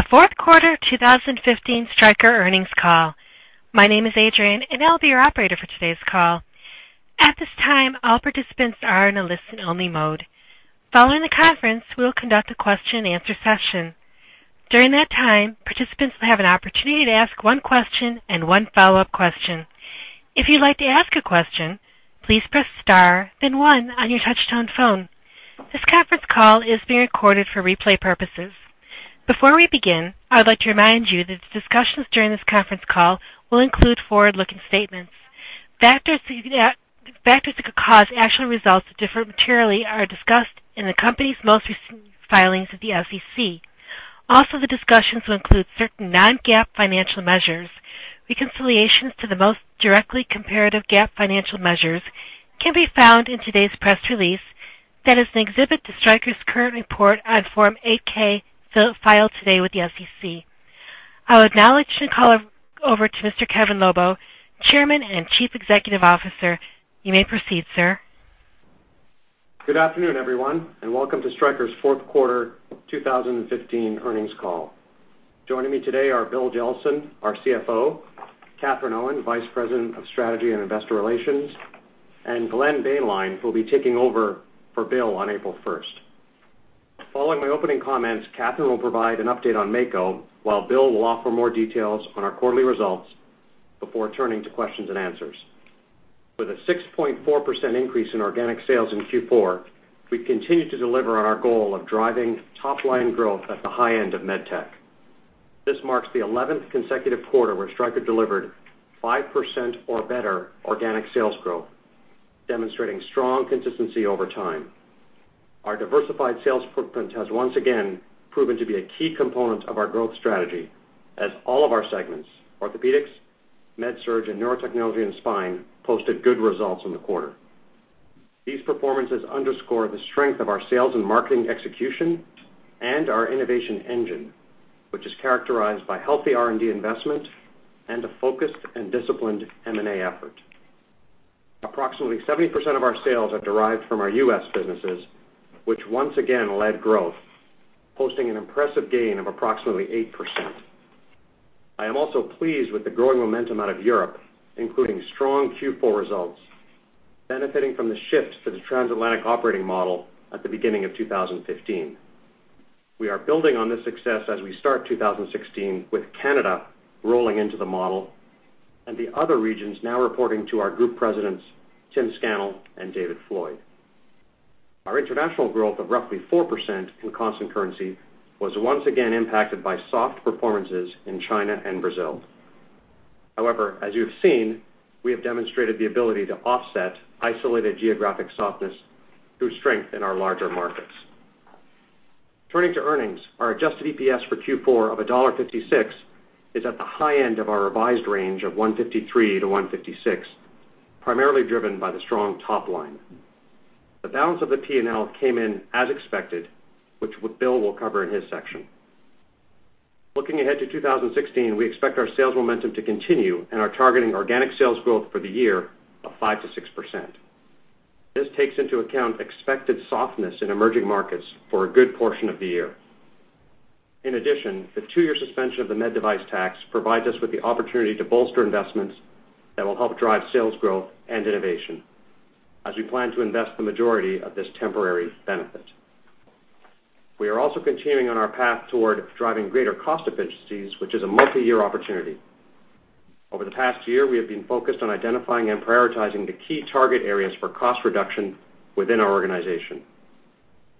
Welcome to the fourth quarter 2015 Stryker earnings call. My name is Adrienne, and I'll be your operator for today's call. At this time, all participants are in a listen-only mode. Following the conference, we will conduct a question and answer session. During that time, participants will have an opportunity to ask one question and one follow-up question. If you'd like to ask a question, please press star then one on your touch-tone phone. This conference call is being recorded for replay purposes. Before we begin, I would like to remind you that the discussions during this conference call will include forward-looking statements. Factors that could cause actual results to differ materially are discussed in the company's most recent filings with the SEC. Also, the discussions will include certain non-GAAP financial measures. Reconciliations to the most directly comparative GAAP financial measures can be found in today's press release. That is an exhibit to Stryker's current report on Form 8-K filed today with the SEC. I would now like to call over to Mr. Kevin Lobo, Chairman and Chief Executive Officer. You may proceed, sir. Good afternoon, everyone, and welcome to Stryker's fourth quarter 2015 earnings call. Joining me today are Bill Jellison, our CFO, Katherine Owen, Vice President of Strategy and Investor Relations, and Glenn Boehnlein, who will be taking over for Bill on April 1st. Following my opening comments, Katherine will provide an update on Mako, while Bill will offer more details on our quarterly results before turning to questions and answers. With a 6.4% increase in organic sales in Q4, we continue to deliver on our goal of driving top-line growth at the high end of MedTech. This marks the 11th consecutive quarter where Stryker delivered 5% or better organic sales growth, demonstrating strong consistency over time. Our diversified sales footprint has once again proven to be a key component of our growth strategy as all of our segments, Orthopaedics, MedSurg, and Neurotechnology and Spine, posted good results in the quarter. These performances underscore the strength of our sales and marketing execution and our innovation engine, which is characterized by healthy R&D investment and a focused and disciplined M&A effort. Approximately 70% of our sales are derived from our U.S. businesses, which once again led growth, posting an impressive gain of approximately 8%. I am also pleased with the growing momentum out of Europe, including strong Q4 results, benefiting from the shift to the Transatlantic Operating Model at the beginning of 2015. We are building on this success as we start 2016, with Canada rolling into the model and the other regions now reporting to our Group Presidents, Tim Scannell and David Floyd. Our international growth of roughly 4% in constant currency was once again impacted by soft performances in China and Brazil. As you've seen, we have demonstrated the ability to offset isolated geographic softness through strength in our larger markets. Turning to earnings, our adjusted EPS for Q4 of $1.56 is at the high end of our revised range of $1.53-$1.56, primarily driven by the strong top line. The balance of the P&L came in as expected, which Bill will cover in his section. Looking ahead to 2016, we expect our sales momentum to continue and are targeting organic sales growth for the year of 5%-6%. This takes into account expected softness in emerging markets for a good portion of the year. In addition, the two-year suspension of the med device tax provides us with the opportunity to bolster investments that will help drive sales growth and innovation as we plan to invest the majority of this temporary benefit. We are also continuing on our path toward driving greater cost efficiencies, which is a multi-year opportunity. Over the past year, we have been focused on identifying and prioritizing the key target areas for cost reduction within our organization.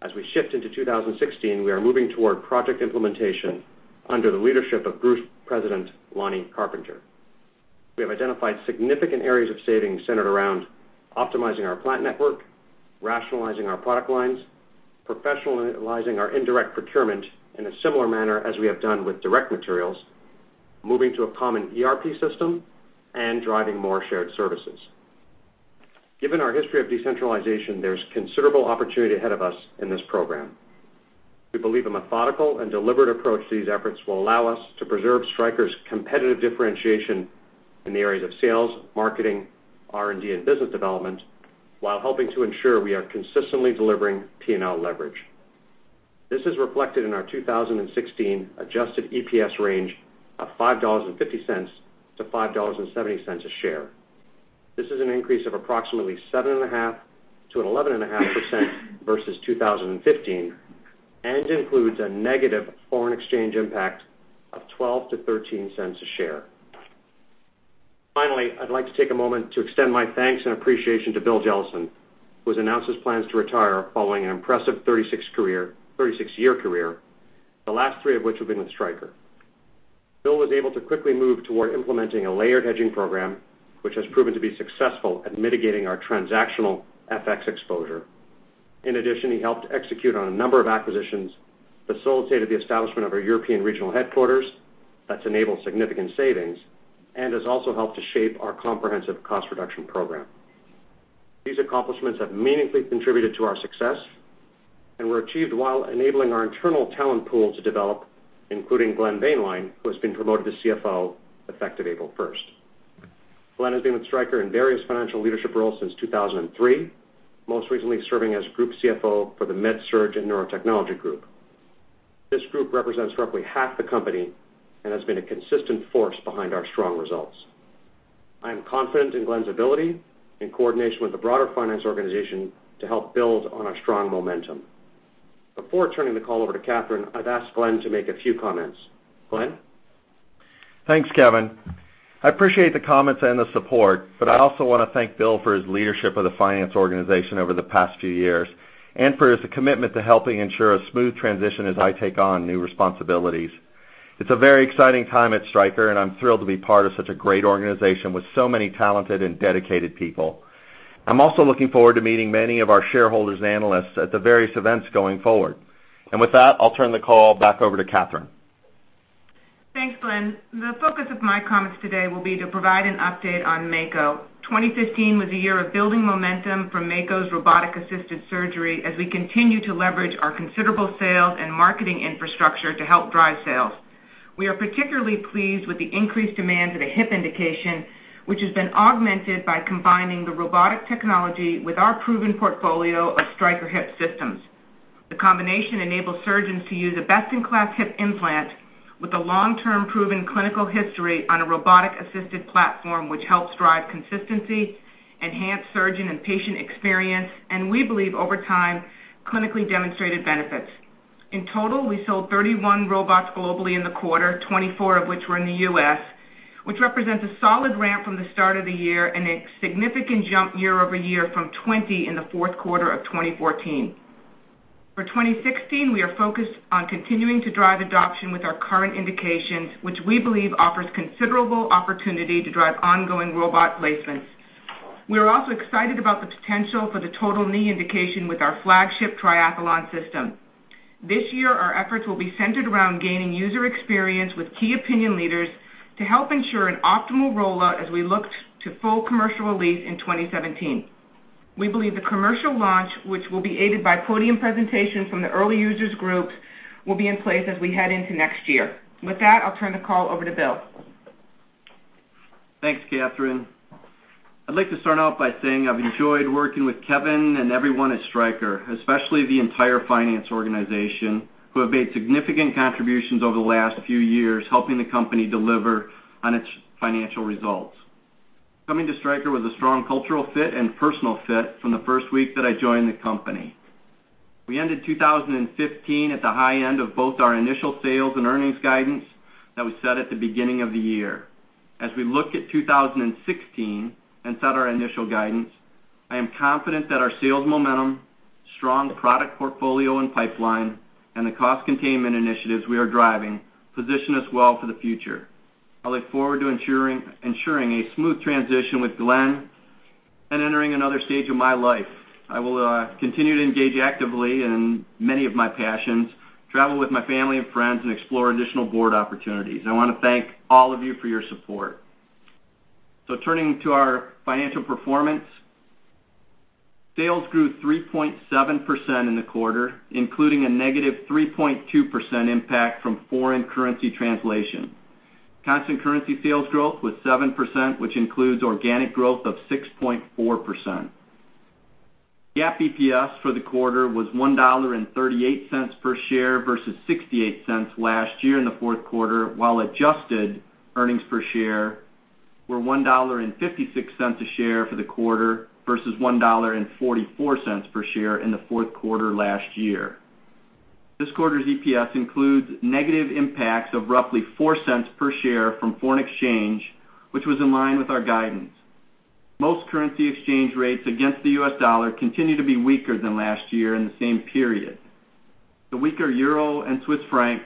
As we shift into 2016, we are moving toward project implementation under the leadership of Group President Lonnie Carpenter. We have identified significant areas of savings centered around optimizing our plant network, rationalizing our product lines, professionalizing our indirect procurement in a similar manner as we have done with direct materials, moving to a common ERP system, and driving more shared services. Given our history of decentralization, there's considerable opportunity ahead of us in this program. We believe a methodical and deliberate approach to these efforts will allow us to preserve Stryker's competitive differentiation in the areas of sales, marketing, R&D, and business development while helping to ensure we are consistently delivering P&L leverage. This is reflected in our 2016 adjusted EPS range of $5.50-$5.70 a share. This is an increase of approximately 7.5%-11.5% versus 2015 and includes a negative foreign exchange impact of $0.12-$0.13 a share. Finally, I'd like to take a moment to extend my thanks and appreciation to Bill Jellison, who has announced his plans to retire following an impressive 36-year career, the last three of which have been with Stryker. Bill was able to quickly move toward implementing a layered hedging program, which has proven to be successful at mitigating our transactional FX exposure. In addition, he helped execute on a number of acquisitions, facilitated the establishment of our European regional headquarters that's enabled significant savings, and has also helped to shape our comprehensive cost reduction program. These accomplishments have meaningfully contributed to our success and were achieved while enabling our internal talent pool to develop, including Glenn Boehnlein, who has been promoted to CFO effective April 1st. Glenn has been with Stryker in various financial leadership roles since 2003, most recently serving as Group CFO for the MedSurg and Neurotechnology Group. This group represents roughly half the company and has been a consistent force behind our strong results. I am confident in Glenn's ability, in coordination with the broader finance organization, to help build on our strong momentum. Before turning the call over to Katherine, I've asked Glenn to make a few comments. Glenn? Thanks, Kevin. I appreciate the comments and the support, I also want to thank Bill for his leadership of the finance organization over the past few years, and for his commitment to helping ensure a smooth transition as I take on new responsibilities. It's a very exciting time at Stryker, and I'm thrilled to be part of such a great organization with so many talented and dedicated people. I'm also looking forward to meeting many of our shareholders and analysts at the various events going forward. With that, I'll turn the call back over to Katherine. Thanks, Glenn. The focus of my comments today will be to provide an update on Mako. 2015 was a year of building momentum for Mako's robotic-assisted surgery as we continue to leverage our considerable sales and marketing infrastructure to help drive sales. We are particularly pleased with the increased demand for the hip indication, which has been augmented by combining the robotic technology with our proven portfolio of Stryker hip systems. The combination enables surgeons to use a best-in-class hip implant with a long-term proven clinical history on a robotic-assisted platform, which helps drive consistency, enhance surgeon and patient experience, and we believe, over time, clinically demonstrated benefits. In total, we sold 31 robots globally in the quarter, 24 of which were in the U.S., which represents a solid ramp from the start of the year and a significant jump year-over-year from 20 in the fourth quarter of 2014. For 2016, we are focused on continuing to drive adoption with our current indications, which we believe offers considerable opportunity to drive ongoing robot placements. We are also excited about the potential for the total knee indication with our flagship Triathlon system. This year, our efforts will be centered around gaining user experience with Key Opinion Leaders to help ensure an optimal rollout as we look to full commercial release in 2017. We believe the commercial launch, which will be aided by podium presentations from the early users groups, will be in place as we head into next year. With that, I'll turn the call over to Bill. Thanks, Katherine. I'd like to start out by saying I've enjoyed working with Kevin and everyone at Stryker, especially the entire finance organization, who have made significant contributions over the last few years, helping the company deliver on its financial results. Coming to Stryker was a strong cultural fit and personal fit from the first week that I joined the company. We ended 2015 at the high end of both our initial sales and earnings guidance that we set at the beginning of the year. As we look at 2016 and set our initial guidance, I am confident that our sales momentum, strong product portfolio and pipeline, and the cost containment initiatives we are driving, position us well for the future. I look forward to ensuring a smooth transition with Glenn and entering another stage of my life. I will continue to engage actively in many of my passions, travel with my family and friends, and explore additional board opportunities. I want to thank all of you for your support. Turning to our financial performance. Sales grew 3.7% in the quarter, including a negative 3.2% impact from foreign currency translation. Constant currency sales growth was 7%, which includes organic growth of 6.4%. GAAP EPS for the quarter was $1.38 per share versus $0.68 last year in the fourth quarter, while adjusted earnings per share were $1.56 a share for the quarter versus $1.44 per share in the fourth quarter last year. This quarter's EPS includes negative impacts of roughly $0.04 per share from foreign exchange, which was in line with our guidance. Most currency exchange rates against the U.S. dollar continue to be weaker than last year in the same period. The weaker EUR and CHF,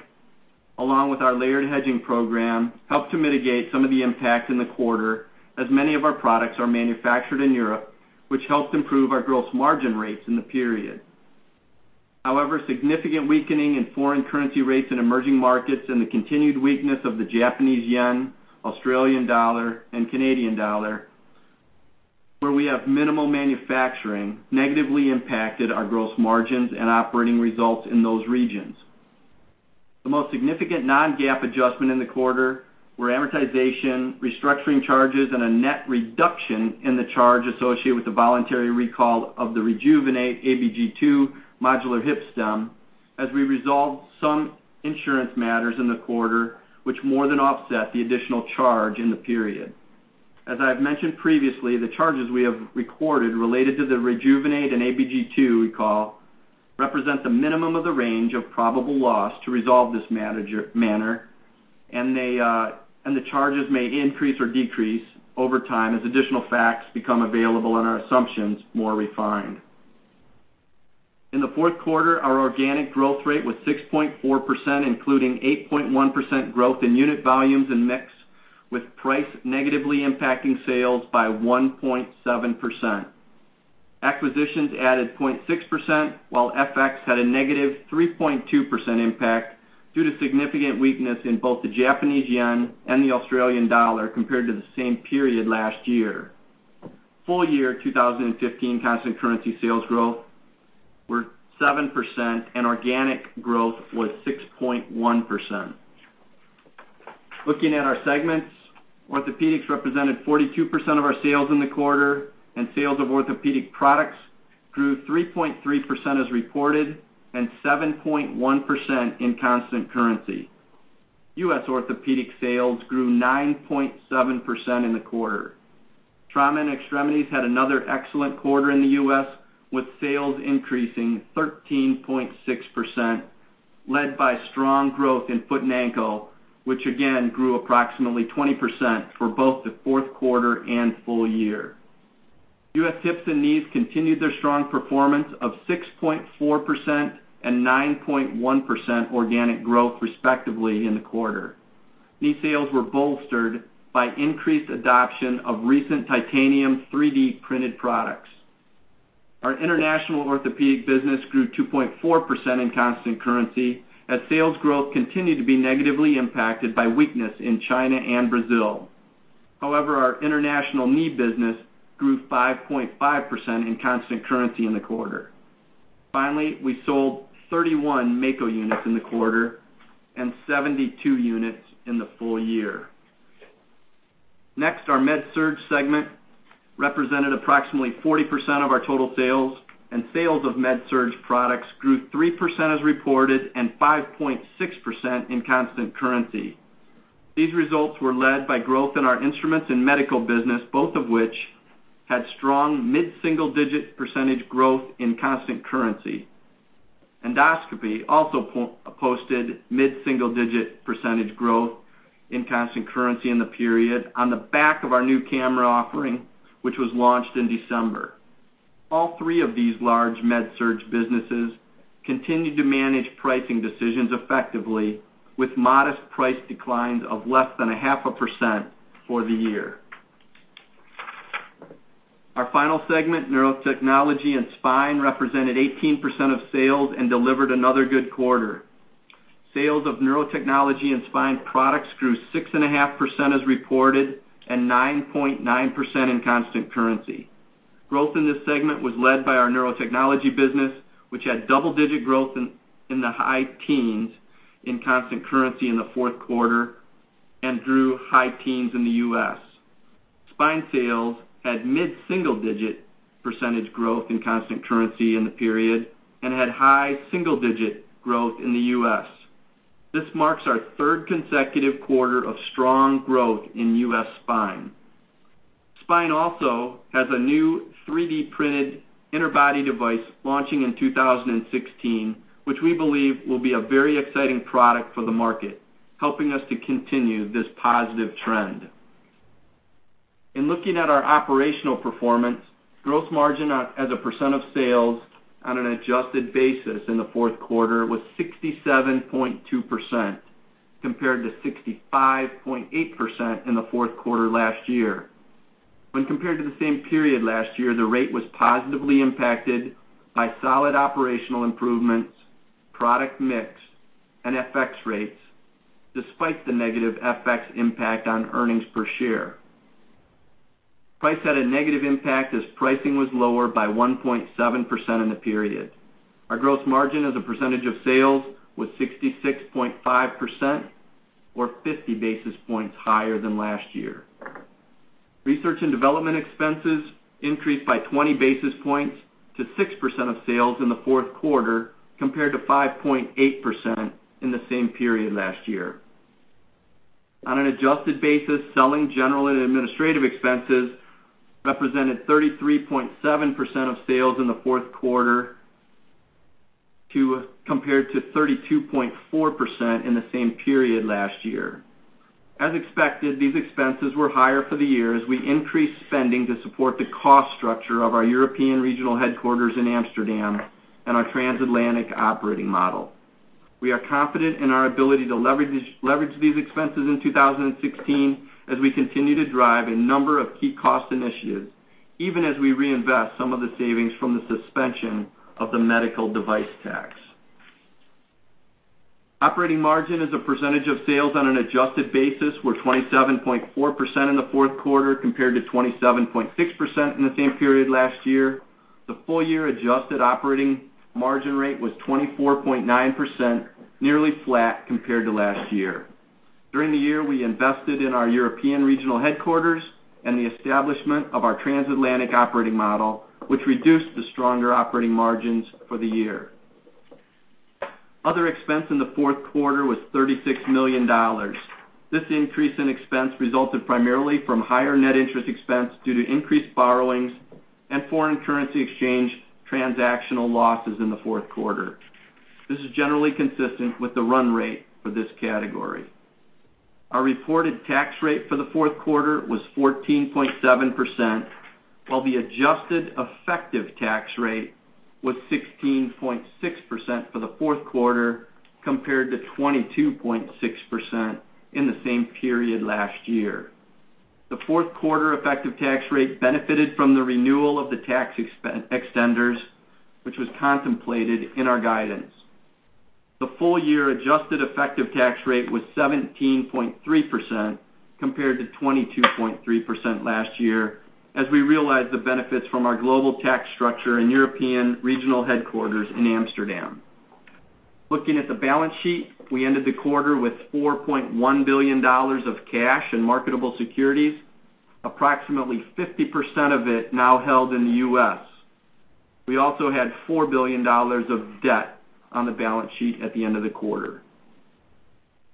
along with our layered hedging program, helped to mitigate some of the impact in the quarter, as many of our products are manufactured in Europe, which helped improve our gross margin rates in the period. However, significant weakening in foreign currency rates in emerging markets and the continued weakness of the JPY, AUD, and CAD, where we have minimal manufacturing, negatively impacted our gross margins and operating results in those regions. The most significant non-GAAP adjustment in the quarter were amortization, restructuring charges, and a net reduction in the charge associated with the voluntary recall of the Rejuvenate ABG II modular hip stem as we resolved some insurance matters in the quarter, which more than offset the additional charge in the period. As I have mentioned previously, the charges we have recorded related to the Rejuvenate and ABG II recall represent the minimum of the range of probable loss to resolve this manner, and the charges may increase or decrease over time as additional facts become available and our assumptions more refined. In the fourth quarter, our organic growth rate was 6.4%, including 8.1% growth in unit volumes and mix, with price negatively impacting sales by 1.7%. Acquisitions added 0.6%, while FX had a negative 3.2% impact due to significant weakness in both the JPY and the AUD compared to the same period last year. Full year 2015 constant currency sales growth was 7%. Organic growth was 6.1%. Looking at our segments, Orthopaedics represented 42% of our sales in the quarter. Sales of Orthopaedics products grew 3.3% as reported and 7.1% in constant currency. U.S. Orthopaedics sales grew 9.7% in the quarter. Trauma and extremities had another excellent quarter in the U.S., with sales increasing 13.6%, led by strong growth in foot and ankle, which again grew approximately 20% for both the fourth quarter and full year. U.S. hips and knees continued their strong performance of 6.4% and 9.1% organic growth, respectively, in the quarter. Knee sales were bolstered by increased adoption of recent titanium 3D printed products. Our international Orthopaedics business grew 2.4% in constant currency as sales growth continued to be negatively impacted by weakness in China and Brazil. Our international knee business grew 5.5% in constant currency in the quarter. Finally, we sold 31 Mako units in the quarter and 72 units in the full year. Our MedSurg segment represented approximately 40% of our total sales. Sales of MedSurg products grew 3% as reported and 5.6% in constant currency. These results were led by growth in our instruments and medical business, both of which had strong mid-single-digit percentage growth in constant currency. Endoscopy also posted mid-single-digit percentage growth in constant currency in the period on the back of our new camera offering, which was launched in December. All three of these large MedSurg businesses continued to manage pricing decisions effectively, with modest price declines of less than 0.5% for the year. Our final segment, Neurotechnology and Spine, represented 18% of sales and delivered another good quarter. Sales of Neurotechnology and Spine products grew 6.5% as reported and 9.9% in constant currency. Growth in this segment was led by our Neurotechnology business, which had double-digit growth in the high teens in constant currency in the fourth quarter and grew high teens in the U.S. Spine sales had mid-single-digit percentage growth in constant currency in the period. Had high single-digit growth in the U.S. This marks our third consecutive quarter of strong growth in U.S. Spine. Spine also has a new 3D printed interbody device launching in 2016, which we believe will be a very exciting product for the market, helping us to continue this positive trend. In looking at our operational performance, gross margin as a % of sales on an adjusted basis in the fourth quarter was 67.2% compared to 65.8% in the fourth quarter last year. When compared to the same period last year, the rate was positively impacted by solid operational improvements, product mix, and FX rates, despite the negative FX impact on earnings per share. Price had a negative impact as pricing was lower by 1.7% in the period. Our gross margin as a % of sales was 66.5%, or 50 basis points higher than last year. Research and development expenses increased by 20 basis points to 6% of sales in the fourth quarter, compared to 5.8% in the same period last year. On an adjusted basis, selling, general, and administrative expenses represented 33.7% of sales in the fourth quarter compared to 32.4% in the same period last year. As expected, these expenses were higher for the year as we increased spending to support the cost structure of our European regional headquarters in Amsterdam and our Transatlantic Operating Model. We are confident in our ability to leverage these expenses in 2016 as we continue to drive a number of key cost initiatives, even as we reinvest some of the savings from the suspension of the medical device tax. Operating margin as a percentage of sales on an adjusted basis were 27.4% in the fourth quarter, compared to 27.6% in the same period last year. The full-year adjusted operating margin rate was 24.9%, nearly flat compared to last year. During the year, we invested in our European regional headquarters and the establishment of our Transatlantic Operating Model, which reduced the stronger operating margins for the year. Other expense in the fourth quarter was $36 million. This increase in expense resulted primarily from higher net interest expense due to increased borrowings and foreign currency exchange transactional losses in the fourth quarter. This is generally consistent with the run rate for this category. Our reported tax rate for the fourth quarter was 14.7%, while the adjusted effective tax rate was 16.6% for the fourth quarter, compared to 22.6% in the same period last year. The fourth quarter effective tax rate benefited from the renewal of the tax extenders, which was contemplated in our guidance. The full year adjusted effective tax rate was 17.3% compared to 22.3% last year, as we realized the benefits from our global tax structure and European regional headquarters in Amsterdam. Looking at the balance sheet, we ended the quarter with $4.1 billion of cash and marketable securities, approximately 50% of it now held in the U.S. We also had $4 billion of debt on the balance sheet at the end of the quarter.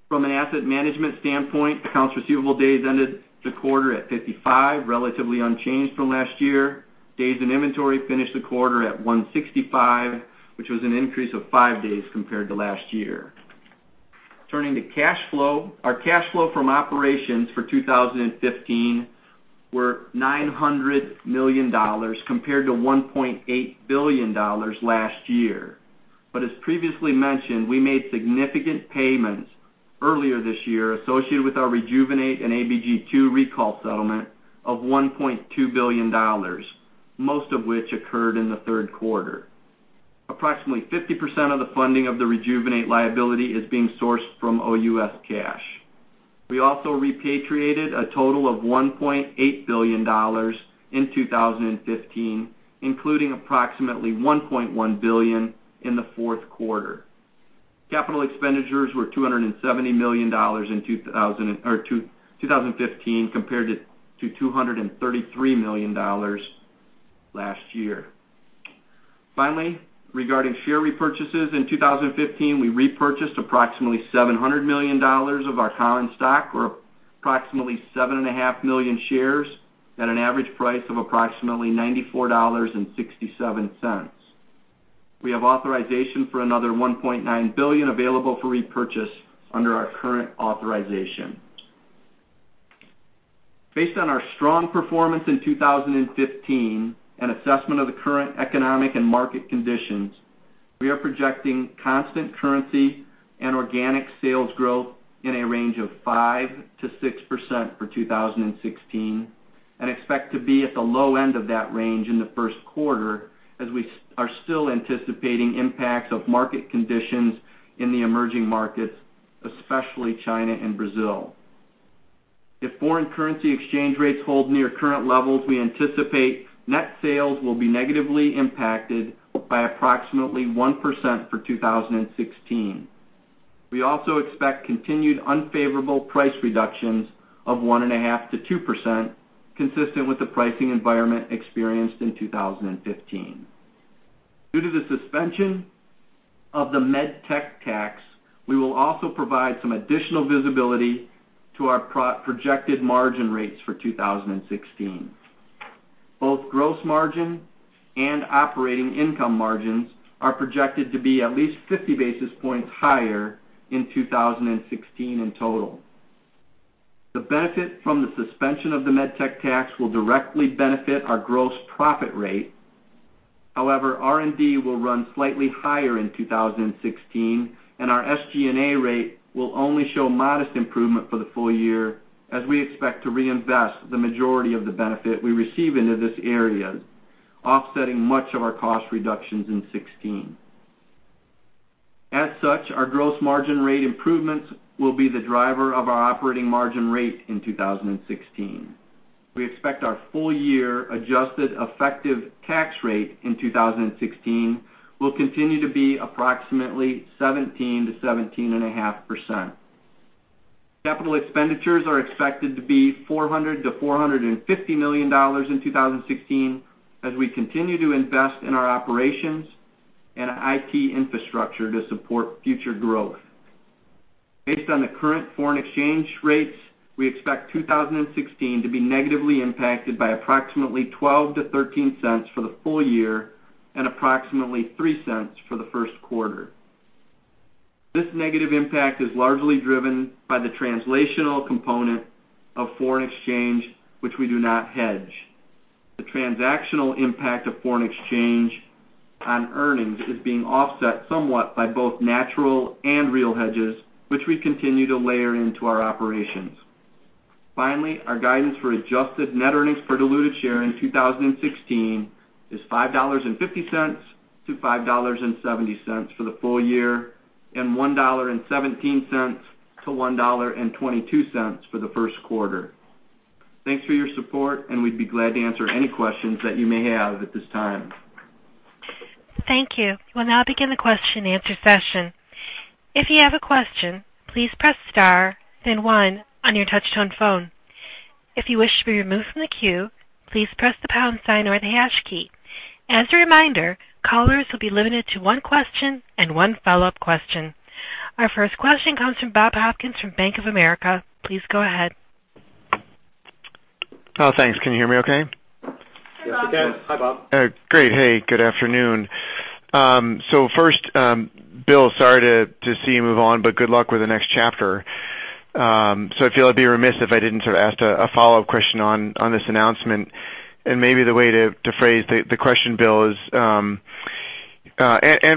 From an asset management standpoint, accounts receivable days ended the quarter at 55, relatively unchanged from last year. Days in inventory finished the quarter at 165, which was an increase of five days compared to last year. As previously mentioned, we made significant payments earlier this year associated with our Rejuvenate and ABG II recall settlement of $1.2 billion, most of which occurred in the third quarter. Approximately 50% of the funding of the Rejuvenate liability is being sourced from OUS cash. We also repatriated a total of $1.8 billion in 2015, including approximately $1.1 billion in the fourth quarter. Capital expenditures were $270 million in 2015 compared to $233 million last year. Finally, regarding share repurchases, in 2015, we repurchased approximately $700 million of our common stock, or approximately seven and a half million shares, at an average price of approximately $94.67. We have authorization for another $1.9 billion available for repurchase under our current authorization. Based on our strong performance in 2015 and assessment of the current economic and market conditions, we are projecting constant currency and organic sales growth in a range of 5%-6% for 2016, and expect to be at the low end of that range in the first quarter, as we are still anticipating impacts of market conditions in the emerging markets, especially China and Brazil. If foreign currency exchange rates hold near current levels, we anticipate net sales will be negatively impacted by approximately 1% for 2016. We also expect continued unfavorable price reductions of 1.5%-2%, consistent with the pricing environment experienced in 2015. Due to the suspension of the MedTech Tax, we will also provide some additional visibility to our projected margin rates for 2016. Both gross margin and operating income margins are projected to be at least 50 basis points higher in 2016 in total. The benefit from the suspension of the MedTech Tax will directly benefit our gross profit rate. However, R&D will run slightly higher in 2016, and our SG&A rate will only show modest improvement for the full year, as we expect to reinvest the majority of the benefit we receive into this area, offsetting much of our cost reductions in 2016. As such, our gross margin rate improvements will be the driver of our operating margin rate in 2016. We expect our full year adjusted effective tax rate in 2016 will continue to be approximately 17%-17.5%. Capital expenditures are expected to be $400 million-$450 million in 2016, as we continue to invest in our operations and IT infrastructure to support future growth. Based on the current foreign exchange rates, we expect 2016 to be negatively impacted by approximately $0.12-$0.13 for the full year and approximately $0.03 for the first quarter. This negative impact is largely driven by the translational component of foreign exchange, which we do not hedge. The transactional impact of foreign exchange on earnings is being offset somewhat by both natural and real hedges, which we continue to layer into our operations. Finally, our guidance for adjusted net earnings per diluted share in 2016 is $5.50-$5.70 for the full year, and $1.17-$1.22 for the first quarter. Thanks for your support, and we'd be glad to answer any questions that you may have at this time. Thank you. We'll now begin the question and answer session. If you have a question, please press star then one on your touchtone phone. If you wish to be removed from the queue, please press the pound sign or the hash key. As a reminder, callers will be limited to one question and one follow-up question. Our first question comes from Bob Hopkins from Bank of America. Please go ahead. Oh, thanks. Can you hear me okay? Yes. Yes. Hi, Bob. Great. Hey, good afternoon. First, Bill, sorry to see you move on, but good luck with the next chapter. I feel I'd be remiss if I didn't sort of ask a follow-up question on this announcement. Maybe the way to phrase the question, Bill, is, and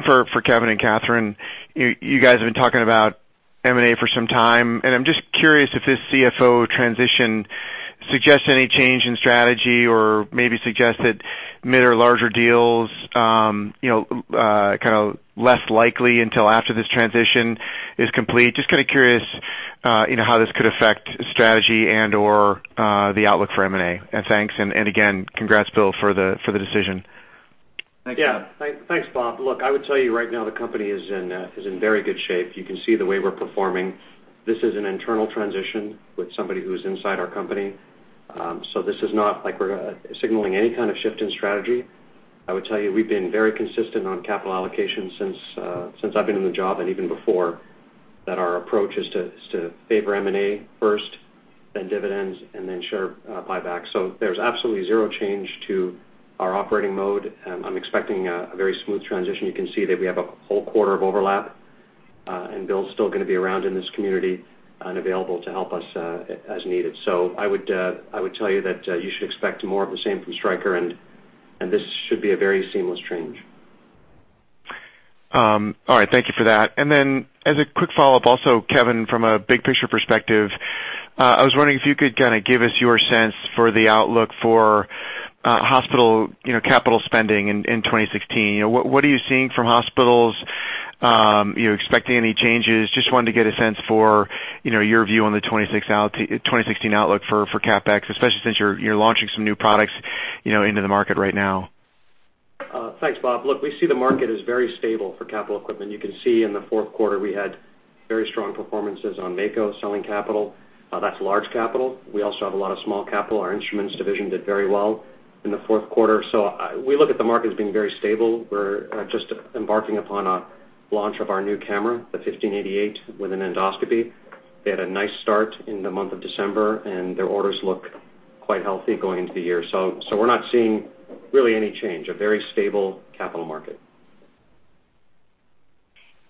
for Kevin and Katherine, you guys have been talking about M&A for some time, and I'm just curious if this CFO transition suggests any change in strategy or maybe suggests that mid or larger deals are kind of less likely until after this transition is complete. Just kind of curious how this could affect strategy and/or the outlook for M&A. Thanks, and again, congrats, Bill, for the decision. Thank you. Thanks, Bob. Look, I would tell you right now the company is in very good shape. You can see the way we're performing. This is an internal transition with somebody who's inside our company. This is not like we're signaling any kind of shift in strategy. I would tell you, we've been very consistent on capital allocation since I've been in the job and even before, that our approach is to favor M&A first, then dividends, and then share buybacks. There's absolutely zero change to our operating mode. I'm expecting a very smooth transition. You can see that we have a whole quarter of overlap, and Bill's still going to be around in this community and available to help us as needed. I would tell you that you should expect more of the same from Stryker, and this should be a very seamless change. All right. Thank you for that. As a quick follow-up, also, Kevin, from a big-picture perspective, I was wondering if you could kind of give us your sense for the outlook for hospital capital spending in 2016. What are you seeing from hospitals? Are you expecting any changes? Just wanted to get a sense for your view on the 2016 outlook for CapEx, especially since you're launching some new products into the market right now. Thanks, Bob. Look, we see the market is very stable for capital equipment. You can see in the fourth quarter we had very strong performances on Mako selling capital. That's large capital. We also have a lot of small capital. Our instruments division did very well in the fourth quarter. We look at the market as being very stable. We're just embarking upon a launch of our new camera, the 1588, within endoscopy. They had a nice start in the month of December, and their orders look quite healthy going into the year. We're not seeing really any change, a very stable capital market.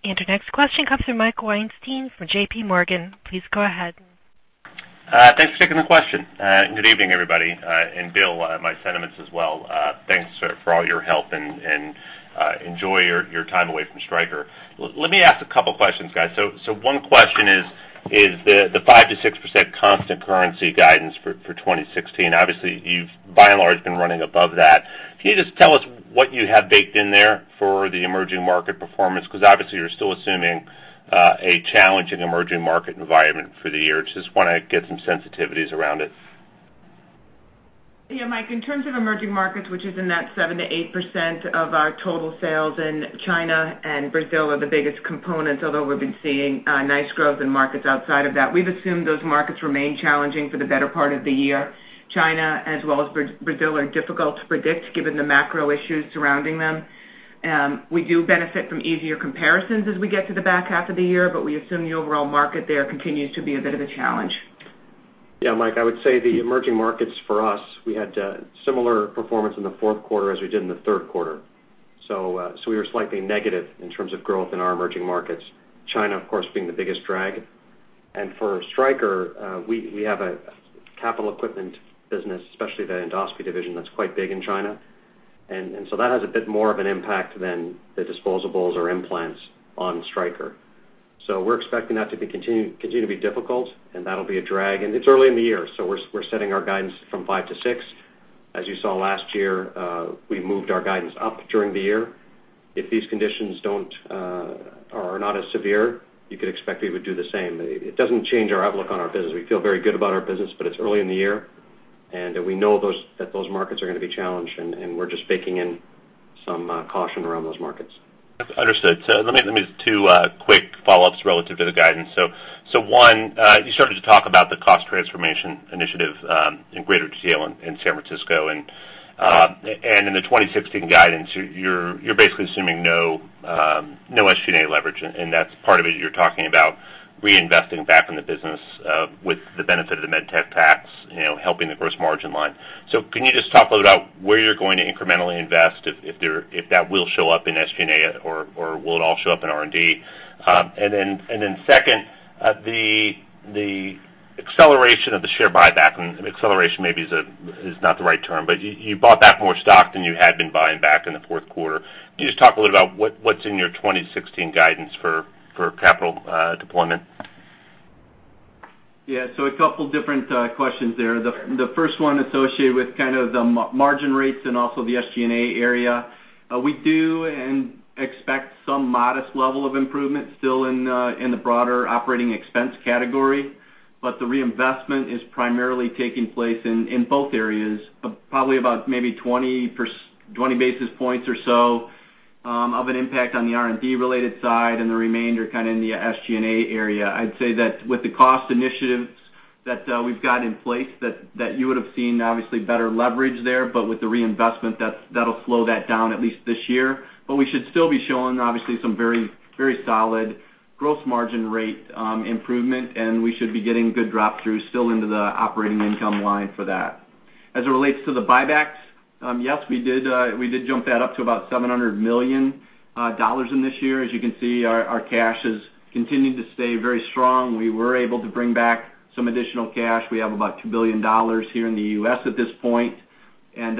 Our next question comes from Mike Weinstein from JP Morgan. Please go ahead. Thanks for taking the question. Good evening, everybody. Bill, my sentiments as well. Thanks for all your help, and enjoy your time away from Stryker. Let me ask a couple questions, guys. One question is the 5%-6% constant currency guidance for 2016. Obviously, you've by and large been running above that. Can you just tell us what you have baked in there for the emerging market performance? Obviously, you're still assuming a challenging emerging market environment for the year. Just want to get some sensitivities around it. Yeah, Mike, in terms of emerging markets, which is in that 7%-8% of our total sales. China and Brazil are the biggest components, although we've been seeing nice growth in markets outside of that. We've assumed those markets remain challenging for the better part of the year. China as well as Brazil are difficult to predict given the macro issues surrounding them. We do benefit from easier comparisons as we get to the back half of the year, we assume the overall market there continues to be a bit of a challenge. Yeah, Mike, I would say the emerging markets for us, we had similar performance in the fourth quarter as we did in the third quarter. We were slightly negative in terms of growth in our emerging markets, China, of course, being the biggest drag. For Stryker, we have a capital equipment business, especially the endoscopy division, that's quite big in China. That has a bit more of an impact than the disposables or implants on Stryker. We're expecting that to continue to be difficult, and that'll be a drag. It's early in the year, we're setting our guidance from 5%-6%. As you saw last year, we moved our guidance up during the year. If these conditions are not as severe, you could expect we would do the same. It doesn't change our outlook on our business. We feel very good about our business, it's early in the year, we know that those markets are going to be challenged, we're just baking in some caution around those markets. Understood. Let me just, 2 quick follow-ups relative to the guidance. 1, you started to talk about the Cost Transformation initiative in greater detail in San Francisco, and in the 2016 guidance, you're basically assuming no SG&A leverage, and that's part of it you're talking about reinvesting back in the business with the benefit of the MedTech tax helping the gross margin line. Can you just talk a little about where you're going to incrementally invest, if that will show up in SG&A, or will it all show up in R&D? 2, the acceleration of the share buyback, and acceleration maybe is not the right term, but you bought back more stock than you had been buying back in the fourth quarter. Can you just talk a little about what's in your 2016 guidance for capital deployment? Yeah. A couple different questions there. The first 1 associated with kind of the margin rates and also the SGA area. We do and expect some modest level of improvement still in the broader operating expense category. The reinvestment is primarily taking place in both areas, but probably about maybe 20 basis points or so of an impact on the R&D-related side and the remainder kind of in the SGA area. I'd say that with the cost initiatives that we've got in place that you would've seen obviously better leverage there, but with the reinvestment, that'll slow that down at least this year. We should still be showing obviously some very solid gross margin rate improvement, and we should be getting good drop-throughs still into the operating income line for that. As it relates to the buybacks, yes, we did jump that up to about $700 million in this year. As you can see, our cash has continued to stay very strong We were able to bring back some additional cash. We have about $2 billion here in the U.S. at this point. As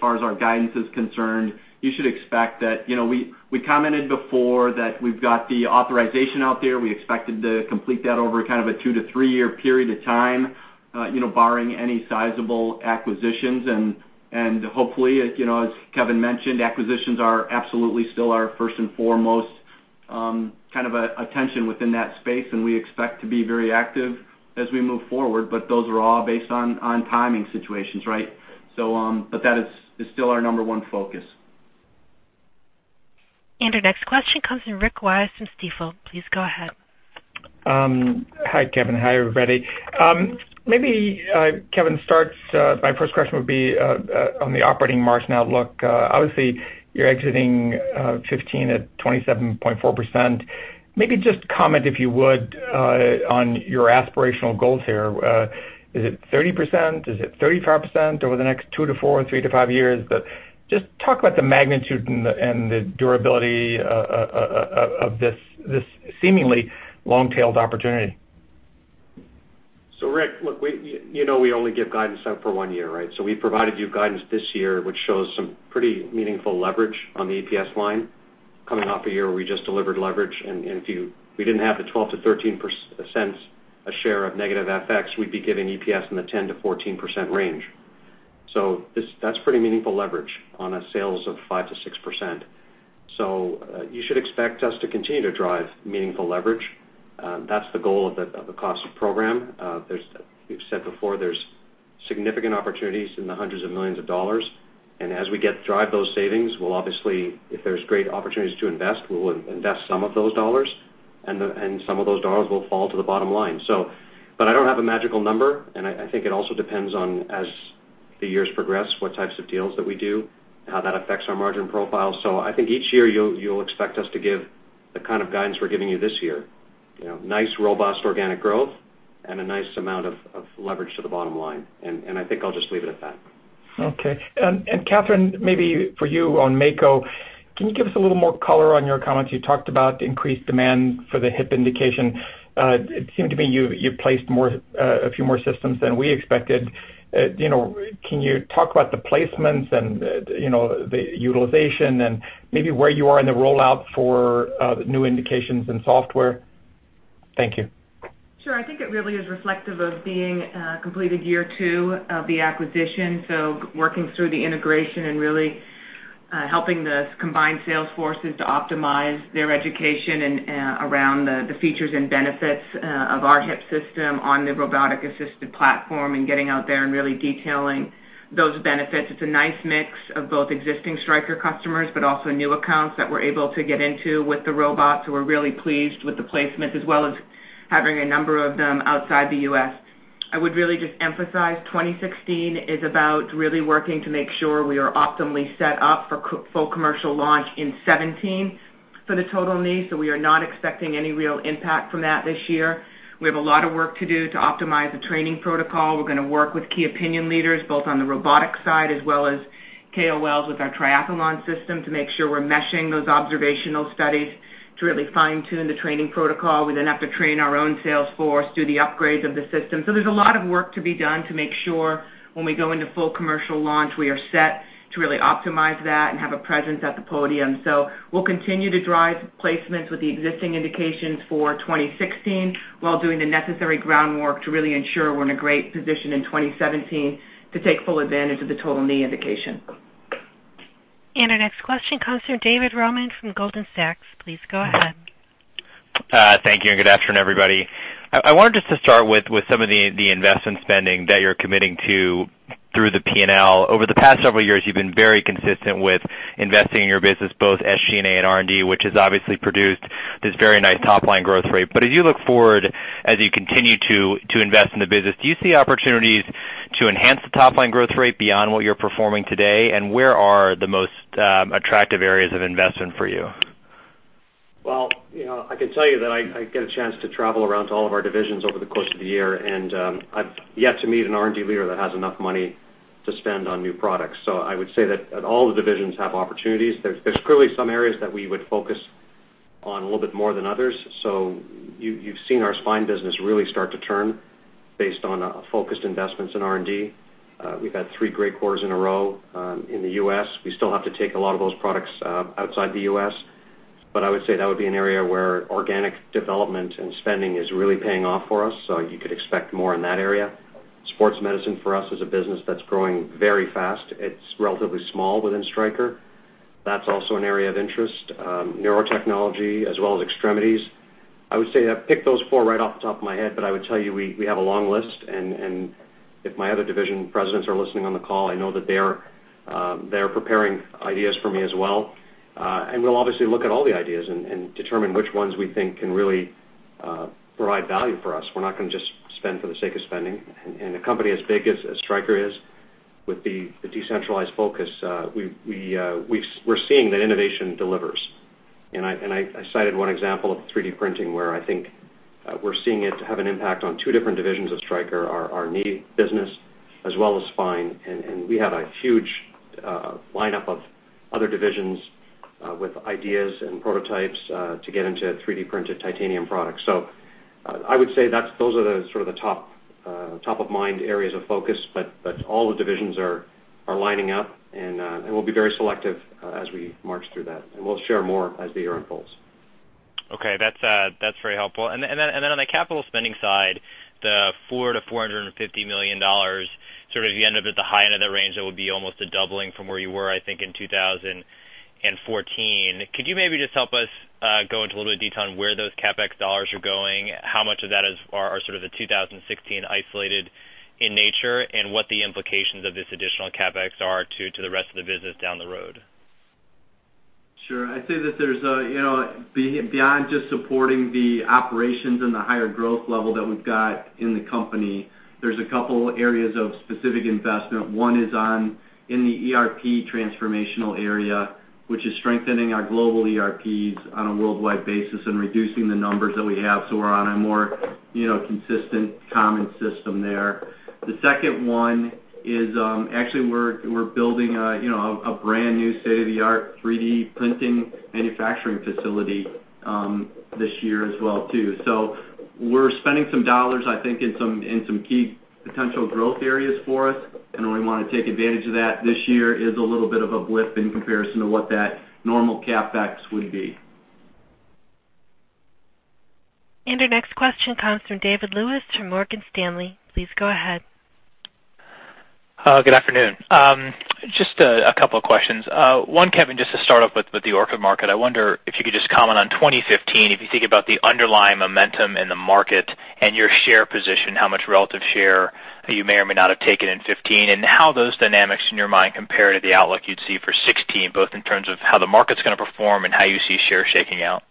far as our guidance is concerned, we commented before that we've got the authorization out there. We expected to complete that over a 2 to 3-year period of time, barring any sizable acquisitions. Hopefully, as Kevin mentioned, acquisitions are absolutely still our first and foremost attention within that space, and we expect to be very active as we move forward, but those are all based on timing situations. That is still our number 1 focus. Our next question comes from Rick Wise from Stifel. Please go ahead. Hi, Kevin. Hi, everybody. Kevin, my first question would be on the operating margin outlook. Obviously, you're exiting 2015 at 27.4%. Maybe just comment, if you would, on your aspirational goals here. Is it 30%? Is it 35% over the next 2 to 4 or 3 to 5 years? Just talk about the magnitude and the durability of this seemingly long-tailed opportunity. Rick, look, you know we only give guidance out for one year. We provided you guidance this year, which shows some pretty meaningful leverage on the EPS line coming off a year where we just delivered leverage. If we didn't have the $0.12-$0.13 a share of negative FX, we'd be giving EPS in the 10%-14% range. That's pretty meaningful leverage on a sales of 5%-6%. You should expect us to continue to drive meaningful leverage. That's the goal of the cost program. We've said before, there's significant opportunities in the hundreds of millions of dollars. As we drive those savings, if there's great opportunities to invest, we'll invest some of those dollars, and some of those dollars will fall to the bottom line. I don't have a magical number, and I think it also depends on, as the years progress, what types of deals that we do and how that affects our margin profile. I think each year you'll expect us to give the kind of guidance we're giving you this year. Nice robust organic growth and a nice amount of leverage to the bottom line. I think I'll just leave it at that. Okay. Katherine, maybe for you on Mako. Can you give us a little more color on your comments? You talked about increased demand for the hip indication. It seemed to me you placed a few more systems than we expected. Can you talk about the placements and the utilization and maybe where you are in the rollout for new indications and software? Thank you. Sure. I think it really is reflective of completing year two of the acquisition. Working through the integration and really helping the combined sales forces to optimize their education around the features and benefits of our hip system on the robotic-assisted platform and getting out there and really detailing those benefits. It's a nice mix of both existing Stryker customers, but also new accounts that we're able to get into with the robots who are really pleased with the placements, as well as having a number of them outside the U.S. I would really just emphasize 2016 is about really working to make sure we are optimally set up for full commercial launch in 2017 for the total knee. We are not expecting any real impact from that this year. We have a lot of work to do to optimize the training protocol. We're going to work with Key Opinion Leaders, both on the robotics side as well as KOLs with our Triathlon system to make sure we're meshing those observational studies to really fine-tune the training protocol. We have to train our own sales force, do the upgrades of the system. There's a lot of work to be done to make sure when we go into full commercial launch, we are set to really optimize that and have a presence at the podium. We'll continue to drive placements with the existing indications for 2016 while doing the necessary groundwork to really ensure we're in a great position in 2017 to take full advantage of the total knee indication. Our next question comes from David Roman from Goldman Sachs. Please go ahead. Thank you, and good afternoon, everybody. I wanted just to start with some of the investment spending that you're committing to through the P&L. Over the past several years, you've been very consistent with investing in your business, both SG&A and R&D, which has obviously produced this very nice top-line growth rate. As you look forward, as you continue to invest in the business, do you see opportunities to enhance the top-line growth rate beyond what you're performing today? Where are the most attractive areas of investment for you? Well, I can tell you that I get a chance to travel around to all of our divisions over the course of the year, and I've yet to meet an R&D leader that has enough money to spend on new products. I would say that all the divisions have opportunities. There's clearly some areas that we would focus on a little bit more than others. You've seen our spine business really start to turn based on focused investments in R&D. We've had three great quarters in a row in the U.S. We still have to take a lot of those products outside the U.S. I would say that would be an area where organic development and spending is really paying off for us. You could expect more in that area. Sports medicine for us is a business that's growing very fast. It's relatively small within Stryker. That's also an area of interest. Neurotechnology as well as extremities. I would say I picked those four right off the top of my head, but I would tell you we have a long list, and if my other division presidents are listening on the call, I know that they're preparing ideas for me as well. We'll obviously look at all the ideas and determine which ones we think can really provide value for us. We're not going to just spend for the sake of spending. A company as big as Stryker is with the decentralized focus, we're seeing that innovation delivers. I cited one example of 3D printing where I think we're seeing it have an impact on two different divisions of Stryker, our knee business as well as spine. We have a huge lineup of other divisions With ideas and prototypes to get into 3D-printed titanium products. I would say those are the sort of top-of-mind areas of focus, but all the divisions are lining up, and we'll be very selective as we march through that. We'll share more as the year unfolds. That's very helpful. On the capital spending side, the $400 million-$450 million, if you end up at the high end of that range, that would be almost a doubling from where you were, I think, in 2014. Could you maybe just help us go into a little bit of detail on where those CapEx dollars are going? How much of that are sort of the 2016 isolated in nature, and what the implications of this additional CapEx are to the rest of the business down the road? Sure. I'd say that beyond just supporting the operations and the higher growth level that we've got in the company, there's a couple areas of specific investment. One is in the ERP transformational area, which is strengthening our global ERPs on a worldwide basis and reducing the numbers that we have so we're on a more consistent common system there. The second one is actually we're building a brand new state-of-the-art 3D printing manufacturing facility this year as well, too. We're spending some dollars, I think in some key potential growth areas for us, and we want to take advantage of that. This year is a little bit of a blip in comparison to what that normal CapEx would be. Our next question comes from David Lewis from Morgan Stanley. Please go ahead. Good afternoon. Just a couple of questions. One, Kevin, just to start off with the ortho market, I wonder if you could just comment on 2015, if you think about the underlying momentum in the market and your share position, how much relative share you may or may not have taken in '15, and how those dynamics, in your mind, compare to the outlook you'd see for '16, both in terms of how the market's going to perform and how you see shares shaking out.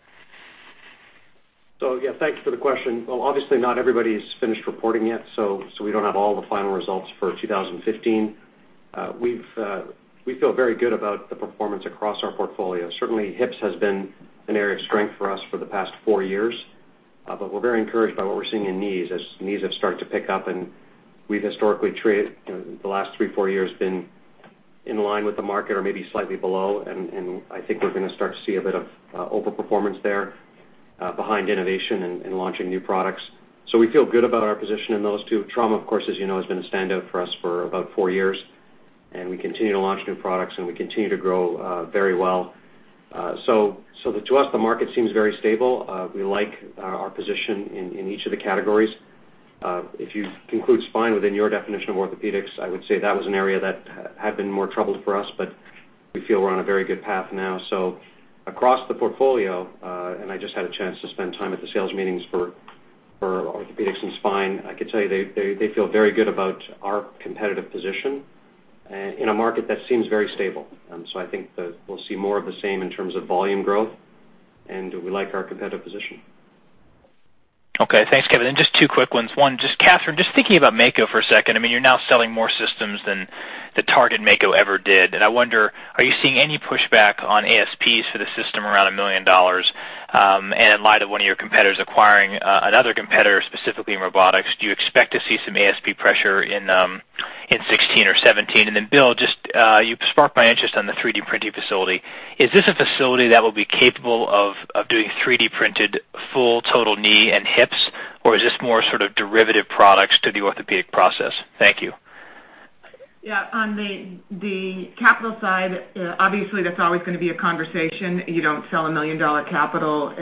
Yeah, thanks for the question. Obviously, not everybody's finished reporting yet, so we don't have all the final results for 2015. We feel very good about the performance across our portfolio. Certainly, hips has been an area of strength for us for the past four years. We're very encouraged by what we're seeing in knees, as knees have started to pick up, and we've historically traded, the last three, four years, been in line with the market or maybe slightly below, and I think we're going to start to see a bit of over-performance there behind innovation and launching new products. We feel good about our position in those two. Trauma, of course, as you know, has been a standout for us for about four years, and we continue to launch new products and we continue to grow very well. To us, the market seems very stable. We like our position in each of the categories. If you include spine within your definition of orthopedics, I would say that was an area that had been more troubled for us, but we feel we're on a very good path now. Across the portfolio, and I just had a chance to spend time at the sales meetings for orthopedics and spine, I can tell you they feel very good about our competitive position in a market that seems very stable. I think that we'll see more of the same in terms of volume growth, and we like our competitive position. Okay. Thanks, Kevin. Just two quick ones. One, just Kathryn, just thinking about Mako for a second. You're now selling more systems than the target Mako ever did. I wonder, are you seeing any pushback on ASPs for the system around $1 million? In light of one of your competitors acquiring another competitor, specifically in robotics, do you expect to see some ASP pressure in 2016 or 2017? Then Bill, you sparked my interest on the 3D printing facility. Is this a facility that will be capable of doing 3D-printed full total knee and hips, or is this more sort of derivative products to the orthopedic process? Thank you. Yeah. On the capital side, obviously, that's always going to be a conversation. You don't sell a $1 million capital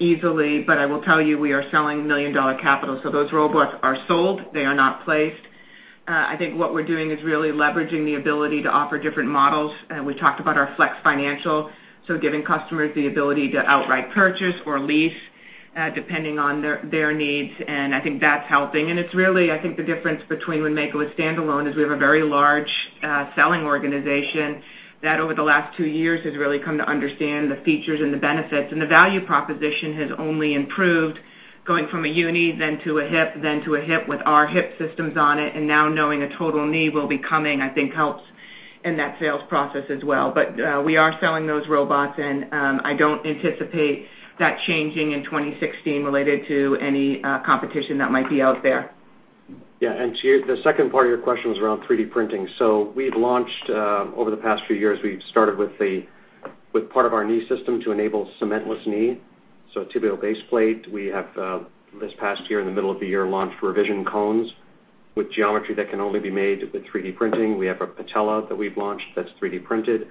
easily, but I will tell you, we are selling $1 million capital. Those robots are sold. They are not placed. I think what we're doing is really leveraging the ability to offer different models. We talked about our Flex Financial, giving customers the ability to outright purchase or lease, depending on their needs. I think that's helping. It's really, I think, the difference between when Mako was standalone is we have a very large selling organization that over the last two years has really come to understand the features and the benefits. The value proposition has only improved going from a uni, then to a hip, then to a hip with our hip systems on it, and now knowing a total knee will be coming, I think helps in that sales process as well. We are selling those robots, and I don't anticipate that changing in 2016 related to any competition that might be out there. To the second part of your question was around 3D printing. We've launched, over the past few years, we've started with part of our knee system to enable cementless knee, so tibial base plate. We have this past year, in the middle of the year, launched revision cones with geometry that can only be made with 3D printing. We have a patella that we've launched that's 3D printed,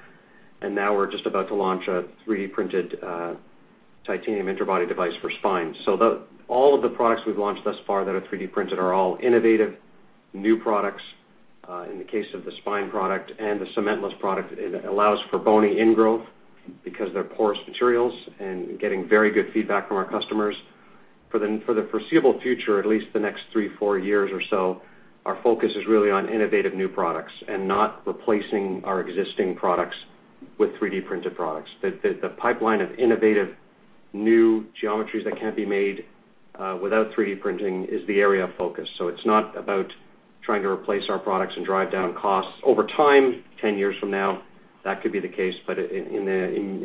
and now we're just about to launch a 3D-printed titanium interbody device for spine. All of the products we've launched thus far that are 3D printed are all innovative, new products. In the case of the spine product and the cementless product, it allows for bony ingrowth because they're porous materials, and getting very good feedback from our customers. For the foreseeable future, at least the next three, four years or so, our focus is really on innovative new products and not replacing our existing products with 3D-printed products. The pipeline of innovative new geometries that can't be made without 3D printing is the area of focus. It's not about trying to replace our products and drive down costs. Over time, 10 years from now, that could be the case, but in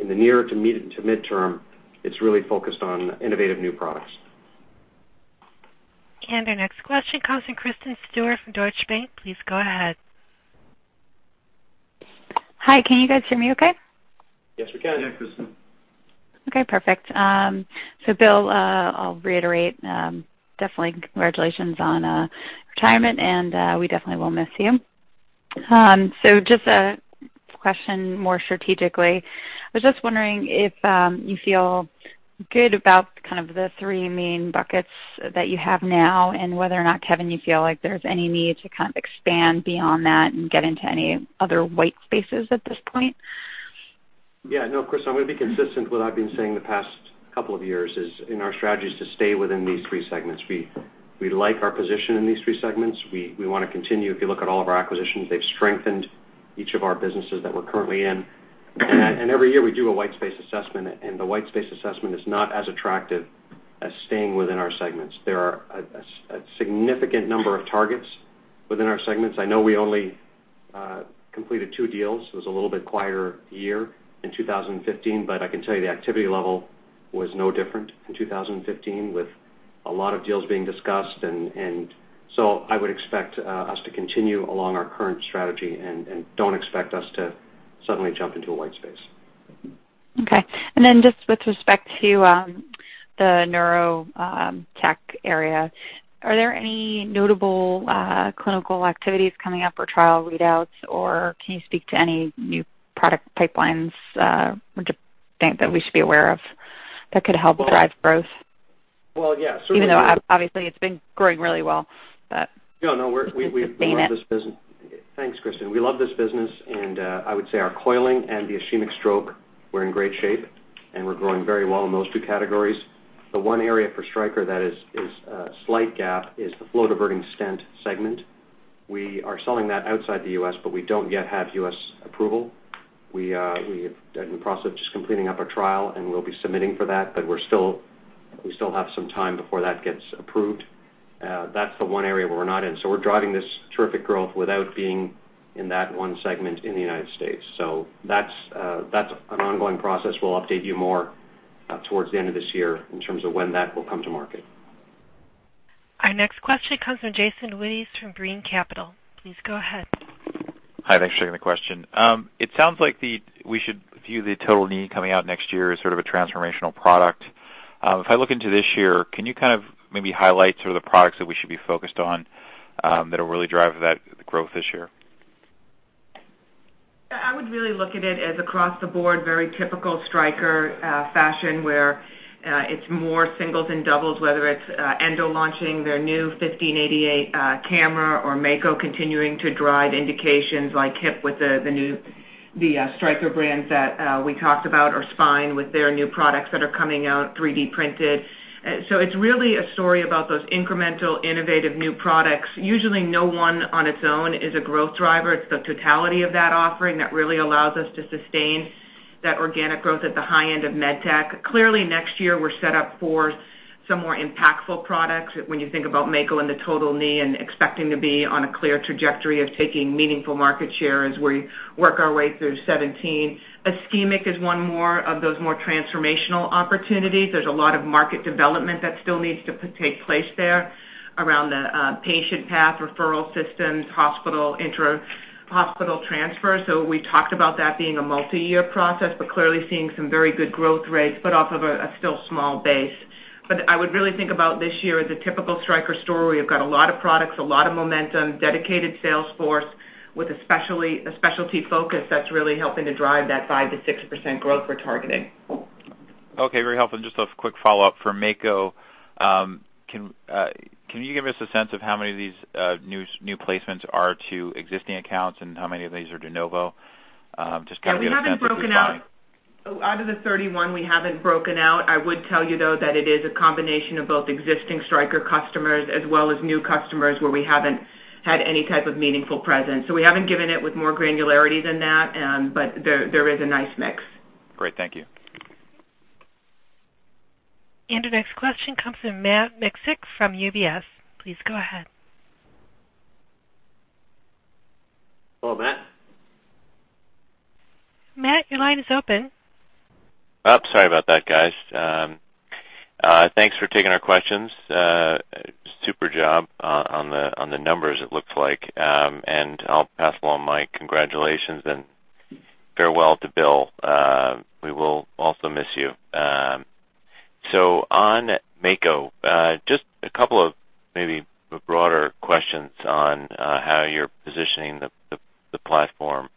the near to midterm, it's really focused on innovative new products. Our next question comes from Kristen Stewart from Deutsche Bank. Please go ahead. Hi, can you guys hear me okay? Yes, we can. Yes, Kristen. Okay, perfect. Bill, I'll reiterate, definitely congratulations on retirement, and we definitely will miss you. Just a question more strategically, I was just wondering if you feel good about the three main buckets that you have now, and whether or not, Kevin, you feel like there's any need to expand beyond that and get into any other white spaces at this point? Yeah. No, Kristen, I'm going to be consistent with what I've been saying the past couple of years, is in our strategy is to stay within these 3 segments. We like our position in these 3 segments. We want to continue. If you look at all of our acquisitions, they've strengthened each of our businesses that we're currently in. Every year we do a white space assessment, and the white space assessment is not as attractive as staying within our segments. There are a significant number of targets within our segments. I know we only completed two deals. It was a little bit quieter year in 2015, I can tell you the activity level was no different in 2015, with a lot of deals being discussed. I would expect us to continue along our current strategy and don't expect us to suddenly jump into a white space. Okay. Just with respect to the neuro tech area, are there any notable clinical activities coming up or trial readouts, or can you speak to any new product pipelines or just things that we should be aware of that could help drive growth? Well, yes. Even though obviously it's been growing really well. No. sustain it. Thanks, Kristen. We love this business and I would say our coiling and the ischemic stroke, we're in great shape and we're growing very well in those two categories. The one area for Stryker that is a slight gap is the flow diverting stent segment. We are selling that outside the U.S., we don't yet have U.S. approval. We are in the process of just completing up a trial, we'll be submitting for that, but we still have some time before that gets approved. That's the one area where we're not in. We're driving this terrific growth without being in that one segment in the United States. That's an ongoing process. We'll update you more towards the end of this year in terms of when that will come to market. Our next question comes from Jason Wittes from Brean Capital. Please go ahead. Hi, thanks for taking the question. It sounds like we should view the total knee coming out next year as sort of a transformational product. If I look into this year, can you maybe highlight some of the products that we should be focused on that will really drive that growth this year? I would really look at it as across the board, very typical Stryker fashion, where it's more singles than doubles, whether it's Endo launching their new 1588 camera or Mako continuing to drive indications like hip with the new Stryker brands that we talked about, or Spine with their new products that are coming out 3D printed. It's really a story about those incremental, innovative new products. Usually, no one on its own is a growth driver. It's the totality of that offering that really allows us to sustain that organic growth at the high end of MedTech. Clearly, next year we're set up for some more impactful products when you think about Mako and the total knee and expecting to be on a clear trajectory of taking meaningful market share as we work our way through 2017. Ischemic is one more of those more transformational opportunities. There's a lot of market development that still needs to take place there around the patient path referral systems, hospital intra-hospital transfer. We talked about that being a multi-year process, but clearly seeing some very good growth rates, but off of a still small base. I would really think about this year as a typical Stryker story. We've got a lot of products, a lot of momentum, dedicated sales force with a specialty focus that's really helping to drive that 5%-6% growth we're targeting. Okay, very helpful. Just a quick follow-up for Mako. Can you give us a sense of how many of these new placements are to existing accounts, and how many of these are de novo? Just to get a sense of who's buying. Out of the 31, we haven't broken out. I would tell you, though, that it is a combination of both existing Stryker customers as well as new customers where we haven't had any type of meaningful presence. We haven't given it with more granularity than that, but there is a nice mix. Great. Thank you. The next question comes from Matt Miksic from UBS. Please go ahead. Hello, Matt. Matt, your line is open. Sorry about that, guys. Thanks for taking our questions. Super job on the numbers it looks like. I'll pass along my congratulations and farewell to Bill. We will also miss you. On Mako, just a couple of maybe broader questions on how you're positioning the platform.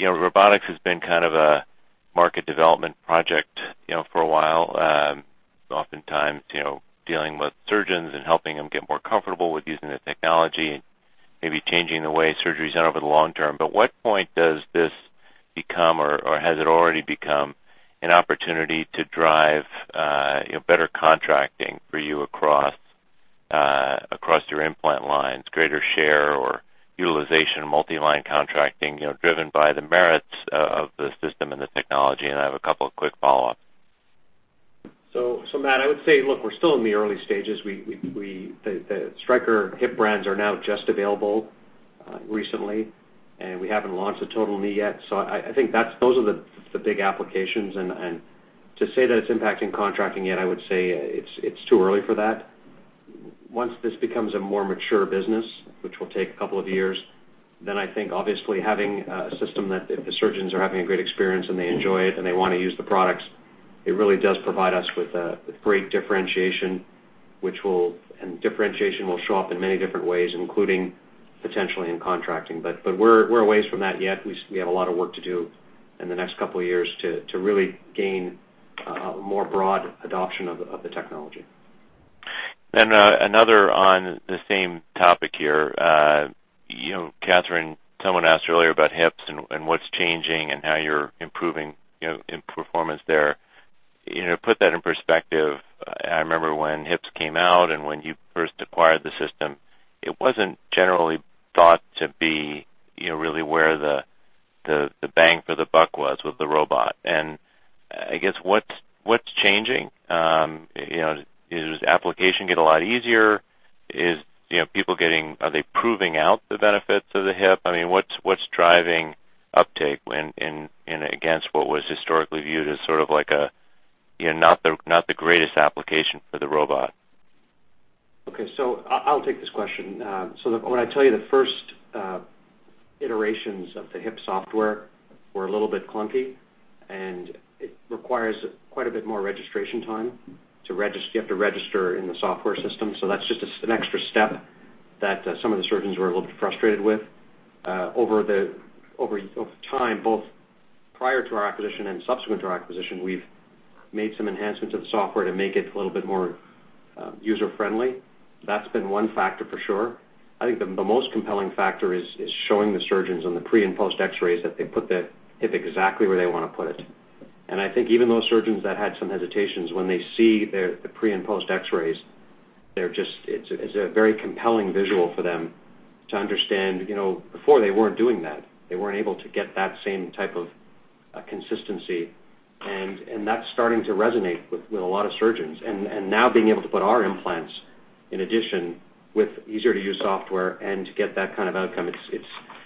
Robotics has been kind of a market development project for a while. Oftentimes, dealing with surgeons and helping them get more comfortable with using the technology and maybe changing the way surgery is done over the long term. What point does this become or has it already become an opportunity to drive better contracting for you across your implant lines, greater share or utilization, multi-line contracting, driven by the merits of the system and the technology? I have a couple of quick follow-ups. Matt, I would say, look, we're still in the early stages. The Stryker hip brands are now just available recently. We haven't launched a total knee yet. I think those are the big applications. To say that it's impacting contracting yet, I would say it's too early for that. Once this becomes a more mature business, which will take a couple of years, I think, obviously, having a system that the surgeons are having a great experience, and they enjoy it, and they want to use the products, it really does provide us with great differentiation, and differentiation will show up in many different ways, including potentially in contracting. We're a way from that yet. We have a lot of work to do in the next couple of years to really gain a more broad adoption of the technology. Another on the same topic here. Katherine, someone asked earlier about hips and what's changing and how you're improving in performance there. Put that in perspective. I remember when hips came out and when you first acquired the system. It wasn't generally thought to be really where the bang for the buck was with the robot. I guess, what's changing? Does application get a lot easier? Are they proving out the benefits of the hip? What's driving uptake in against what was historically viewed as sort of a not the greatest application for the robot? Okay. I'll take this question. When I tell you the first iterations of the hip software were a little bit clunky, and it requires quite a bit more registration time. You have to register in the software system, so that's just an extra step that some of the surgeons were a little bit frustrated with. Over time, both prior to our acquisition and subsequent to our acquisition, we've made some enhancements of the software to make it a little bit more user-friendly. That's been one factor for sure. I think the most compelling factor is showing the surgeons on the pre and post x-rays that they put the hip exactly where they want to put it. I think even those surgeons that had some hesitations when they see the pre and post x-rays, it's a very compelling visual for them to understand. Before they weren't doing that. They weren't able to get that same type of consistency, and that's starting to resonate with a lot of surgeons. Now being able to put our implants, in addition, with easier-to-use software and to get that kind of outcome,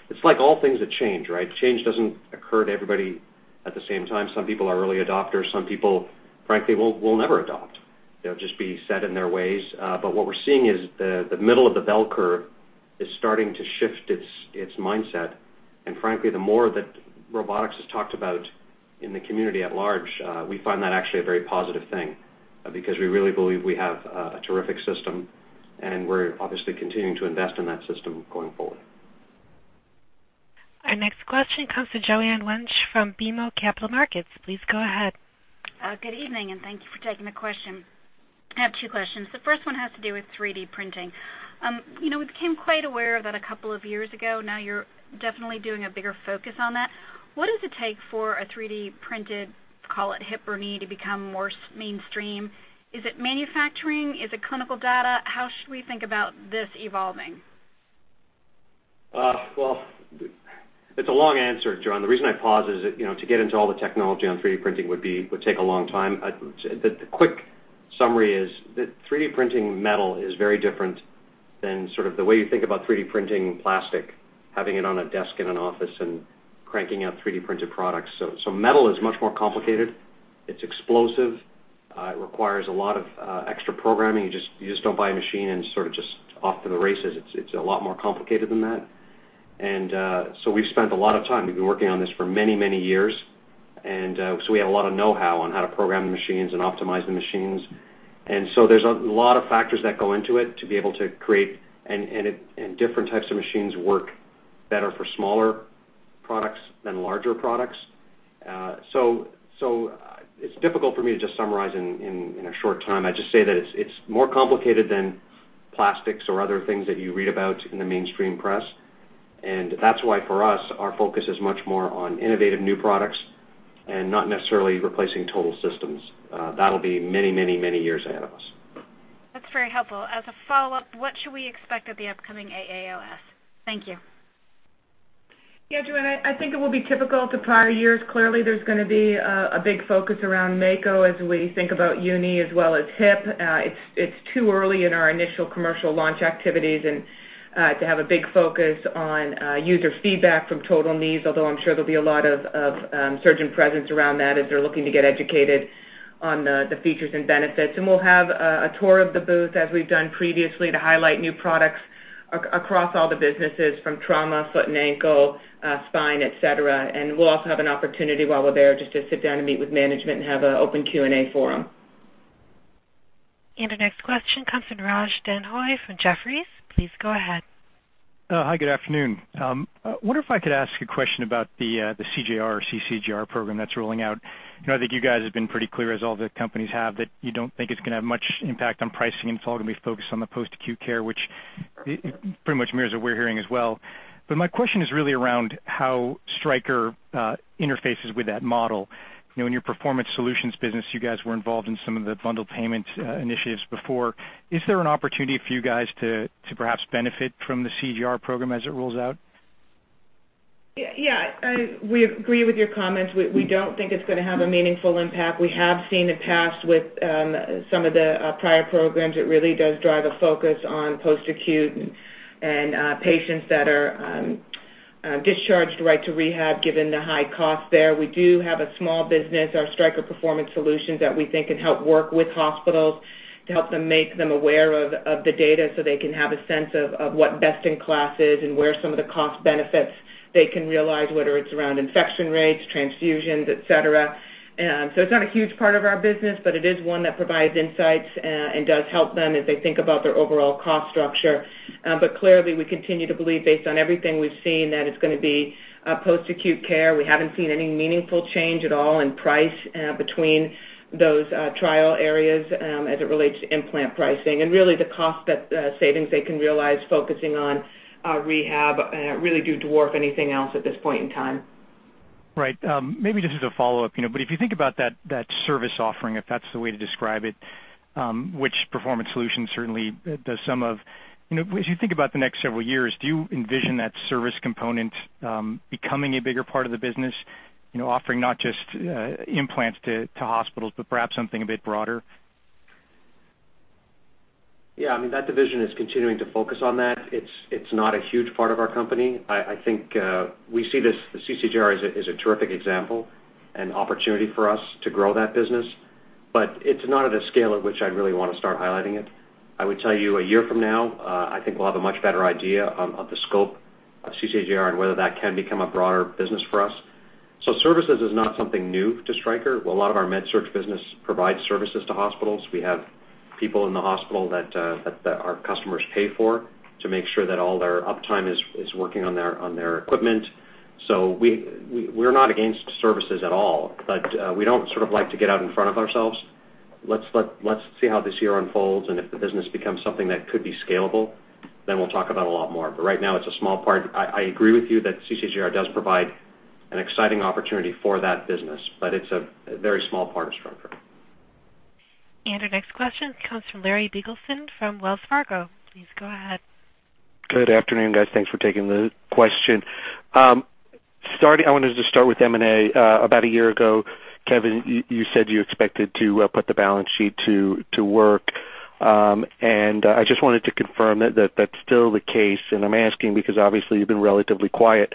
it's like all things that change, right? Change doesn't occur to everybody at the same time. Some people are early adopters. Some people, frankly, will never adopt. They'll just be set in their ways. What we're seeing is the middle of the bell curve is starting to shift its mindset. Frankly, the more that robotics is talked about in the community at large, we find that actually a very positive thing because we really believe we have a terrific system, and we're obviously continuing to invest in that system going forward. Our next question comes to Joanne Wuensch from BMO Capital Markets. Please go ahead. Good evening, and thank you for taking the question. I have two questions. The first one has to do with 3D printing. We became quite aware of that a couple of years ago. You're definitely doing a bigger focus on that. What does it take for a 3D-printed, call it hip or knee, to become more mainstream? Is it manufacturing? Is it clinical data? How should we think about this evolving? Well, it's a long answer, Joanne. The reason I pause is to get into all the technology on 3D printing would take a long time. The quick summary is that 3D printing metal is very different than sort of the way you think about 3D printing plastic, having it on a desk in an office and cranking out 3D-printed products. Metal is much more complicated. It's explosive. It requires a lot of extra programming. You just don't buy a machine and sort of just off to the races. It's a lot more complicated than that. We've spent a lot of time. We've been working on this for many years. We have a lot of know-how on how to program the machines and optimize the machines. There's a lot of factors that go into it to be able to create, and different types of machines work better for smaller products than larger products. It's difficult for me to just summarize in a short time. I just say that it's more complicated than plastics or other things that you read about in the mainstream press. That's why for us, our focus is much more on innovative new products and not necessarily replacing total systems. That'll be many years ahead of us. That's very helpful. As a follow-up, what should we expect at the upcoming AAOS? Thank you. Yeah, Joanne, I think it will be typical to prior years. Clearly, there's going to be a big focus around Mako as we think about uni as well as hip. It's too early in our initial commercial launch activities to have a big focus on user feedback from total knees, although I'm sure there'll be a lot of surgeon presence around that as they're looking to get educated on the features and benefits. We'll have a tour of the booth, as we've done previously, to highlight new products across all the businesses, from trauma, foot and ankle, spine, et cetera. We'll also have an opportunity while we're there just to sit down and meet with management and have an open Q&A forum. The next question comes from Raj Denhoy from Jefferies. Please go ahead. Hi, good afternoon. I wonder if I could ask a question about the CJR or CCJR program that's rolling out. I think you guys have been pretty clear, as all the companies have, that you don't think it's going to have much impact on pricing, and it's all going to be focused on the post-acute care, which pretty much mirrors what we're hearing as well. My question is really around how Stryker interfaces with that model. In your Performance Solutions business, you guys were involved in some of the bundled payment initiatives before. Is there an opportunity for you guys to perhaps benefit from the CJR program as it rolls out? Yeah. We agree with your comments. We don't think it's going to have a meaningful impact. We have seen it pass with some of the prior programs. It really does drive a focus on post-acute and patients that are discharged right to rehab, given the high cost there. We do have a small business, our Stryker Performance Solutions, that we think can help work with hospitals to help them make them aware of the data so they can have a sense of what best in class is and where some of the cost benefits they can realize, whether it's around infection rates, transfusions, et cetera. It's not a huge part of our business, but it is one that provides insights and does help them as they think about their overall cost structure. Clearly, we continue to believe, based on everything we've seen, that it's going to be post-acute care. We haven't seen any meaningful change at all in price between those trial areas as it relates to implant pricing. Really, the cost savings they can realize focusing on rehab really do dwarf anything else at this point in time. Right. Maybe just as a follow-up, if you think about that service offering, if that's the way to describe it, which Stryker Performance Solutions certainly does some of, as you think about the next several years, do you envision that service component becoming a bigger part of the business, offering not just implants to hospitals, but perhaps something a bit broader? Yeah, that division is continuing to focus on that. It's not a huge part of our company. I think we see the CCJR as a terrific example and opportunity for us to grow that business. It's not at a scale at which I really want to start highlighting it. I would tell you a year from now, I think we'll have a much better idea of the scope of CCJR and whether that can become a broader business for us. Services is not something new to Stryker. A lot of our MedSurg business provides services to hospitals. We have people in the hospital that our customers pay for to make sure that all their uptime is working on their equipment. We're not against services at all. We don't like to get out in front of ourselves. Let's see how this year unfolds, and if the business becomes something that could be scalable, then we'll talk about a lot more. Right now, it's a small part. I agree with you that CCJR does provide an exciting opportunity for that business. It's a very small part of Stryker. Our next question comes from Larry Biegelsen from Wells Fargo. Please go ahead. Good afternoon, guys. Thanks for taking the question. I wanted to start with M&A. About a year ago, Kevin, you said you expected to put the balance sheet to work, I just wanted to confirm that that's still the case. I'm asking because obviously you've been relatively quiet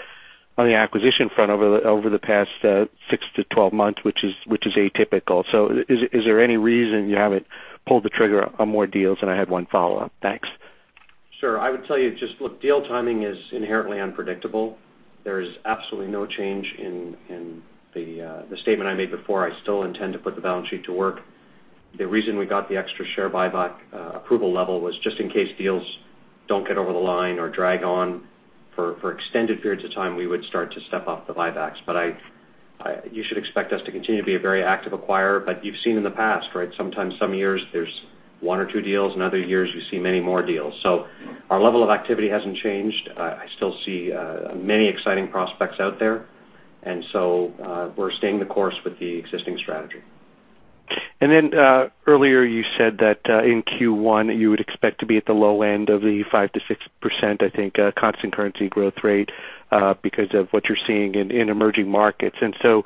on the acquisition front over the past 6-12 months, which is atypical. Is there any reason you haven't pulled the trigger on more deals? I had one follow-up. Thanks. Sure. I would tell you just, look, deal timing is inherently unpredictable. There is absolutely no change in the statement I made before. I still intend to put the balance sheet to work. The reason we got the extra share buyback approval level was just in case deals don't get over the line or drag on for extended periods of time, we would start to step up the buybacks. You should expect us to continue to be a very active acquirer. You've seen in the past, right? Sometimes some years there's one or two deals, and other years you see many more deals. Our level of activity hasn't changed. I still see many exciting prospects out there. We're staying the course with the existing strategy. Earlier you said that in Q1 you would expect to be at the low end of the 5%-6%, I think, constant currency growth rate because of what you're seeing in emerging markets, you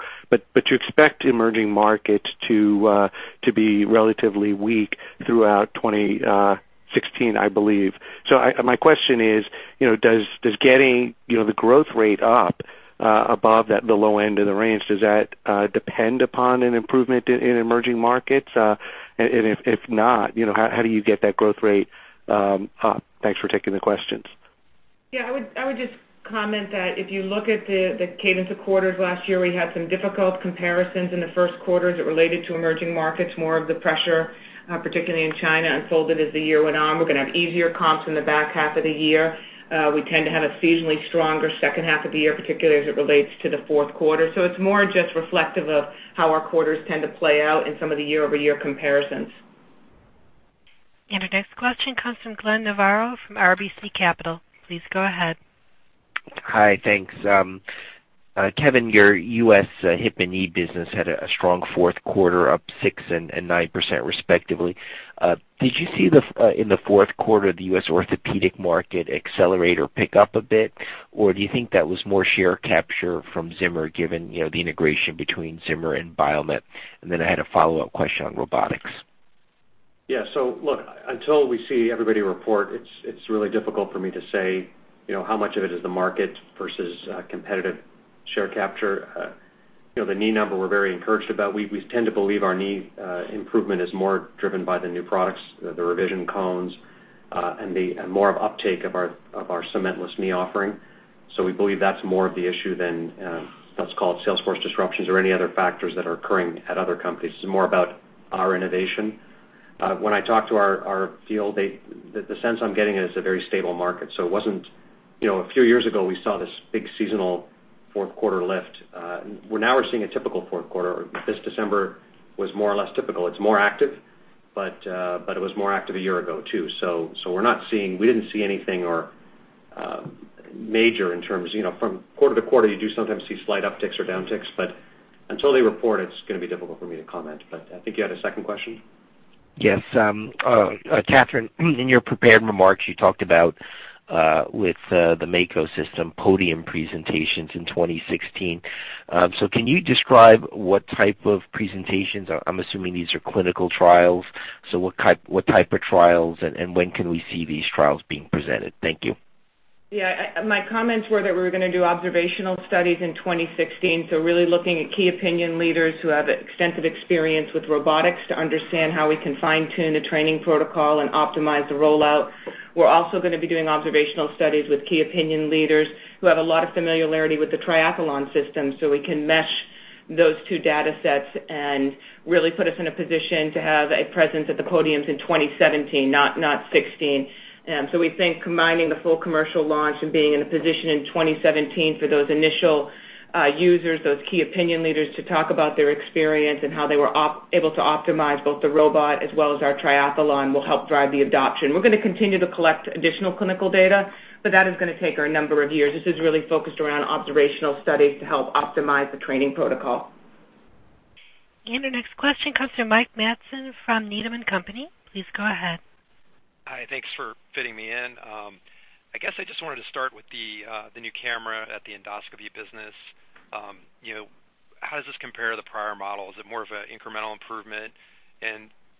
expect emerging markets to be relatively weak throughout 2016, I believe. My question is, does getting the growth rate up above the low end of the range, does that depend upon an improvement in emerging markets? If not, how do you get that growth rate up? Thanks for taking the questions. Yeah, I would just comment that if you look at the cadence of quarters last year, we had some difficult comparisons in the first quarters that related to emerging markets. More of the pressure, particularly in China, unfolded as the year went on. We're going to have easier comps in the back half of the year. We tend to have a seasonally stronger second half of the year, particularly as it relates to the fourth quarter. It's more just reflective of how our quarters tend to play out in some of the year-over-year comparisons. Our next question comes from Glenn Novarro from RBC Capital. Please go ahead. Hi, thanks. Kevin, your U.S. hip and knee business had a strong fourth quarter, up 6% and 9% respectively. Did you see in the fourth quarter the U.S. orthopedic market accelerate or pick up a bit, or do you think that was more share capture from Zimmer, given the integration between Zimmer and Biomet? Then I had a follow-up question on robotics. Yeah. Look, until we see everybody report, it's really difficult for me to say how much of it is the market versus competitive share capture. The knee number we're very encouraged about. We tend to believe our knee improvement is more driven by the new products, the revision cones, and more of uptake of our cementless knee offering. We believe that's more of the issue than what's called sales force disruptions or any other factors that are occurring at other companies. This is more about our innovation. When I talk to our field, the sense I'm getting is a very stable market. A few years ago, we saw this big seasonal fourth quarter lift. Now we're seeing a typical fourth quarter. This December was more or less typical. It's more active, but it was more active a year ago, too. We didn't see anything major from quarter-to-quarter, you do sometimes see slight upticks or downticks, until they report, it's going to be difficult for me to comment. I think you had a second question? Yes, Katherine, in your prepared remarks, you talked about with the Mako system podium presentations in 2016. Can you describe what type of presentations? I'm assuming these are clinical trials. What type of trials, and when can we see these trials being presented? Thank you. Yeah, my comments were that we were going to do observational studies in 2016, really looking at Key Opinion Leaders who have extensive experience with robotics to understand how we can fine-tune a training protocol and optimize the rollout. We're also going to be doing observational studies with Key Opinion Leaders who have a lot of familiarity with the Triathlon system we can mesh those two data sets and really put us in a position to have a presence at the podium in 2017, not 2016. We think combining the full commercial launch and being in a position in 2017 for those initial users, those Key Opinion Leaders, to talk about their experience and how they were able to optimize both the robot as well as our Triathlon will help drive the adoption. We're going to continue to collect additional clinical data, that is going to take a number of years. This is really focused around observational studies to help optimize the training protocol. Our next question comes from Mike Matson from Needham & Company. Please go ahead. Hi. Thanks for fitting me in. I guess I just wanted to start with the new camera at the endoscopy business. How does this compare to the prior model? Is it more of an incremental improvement?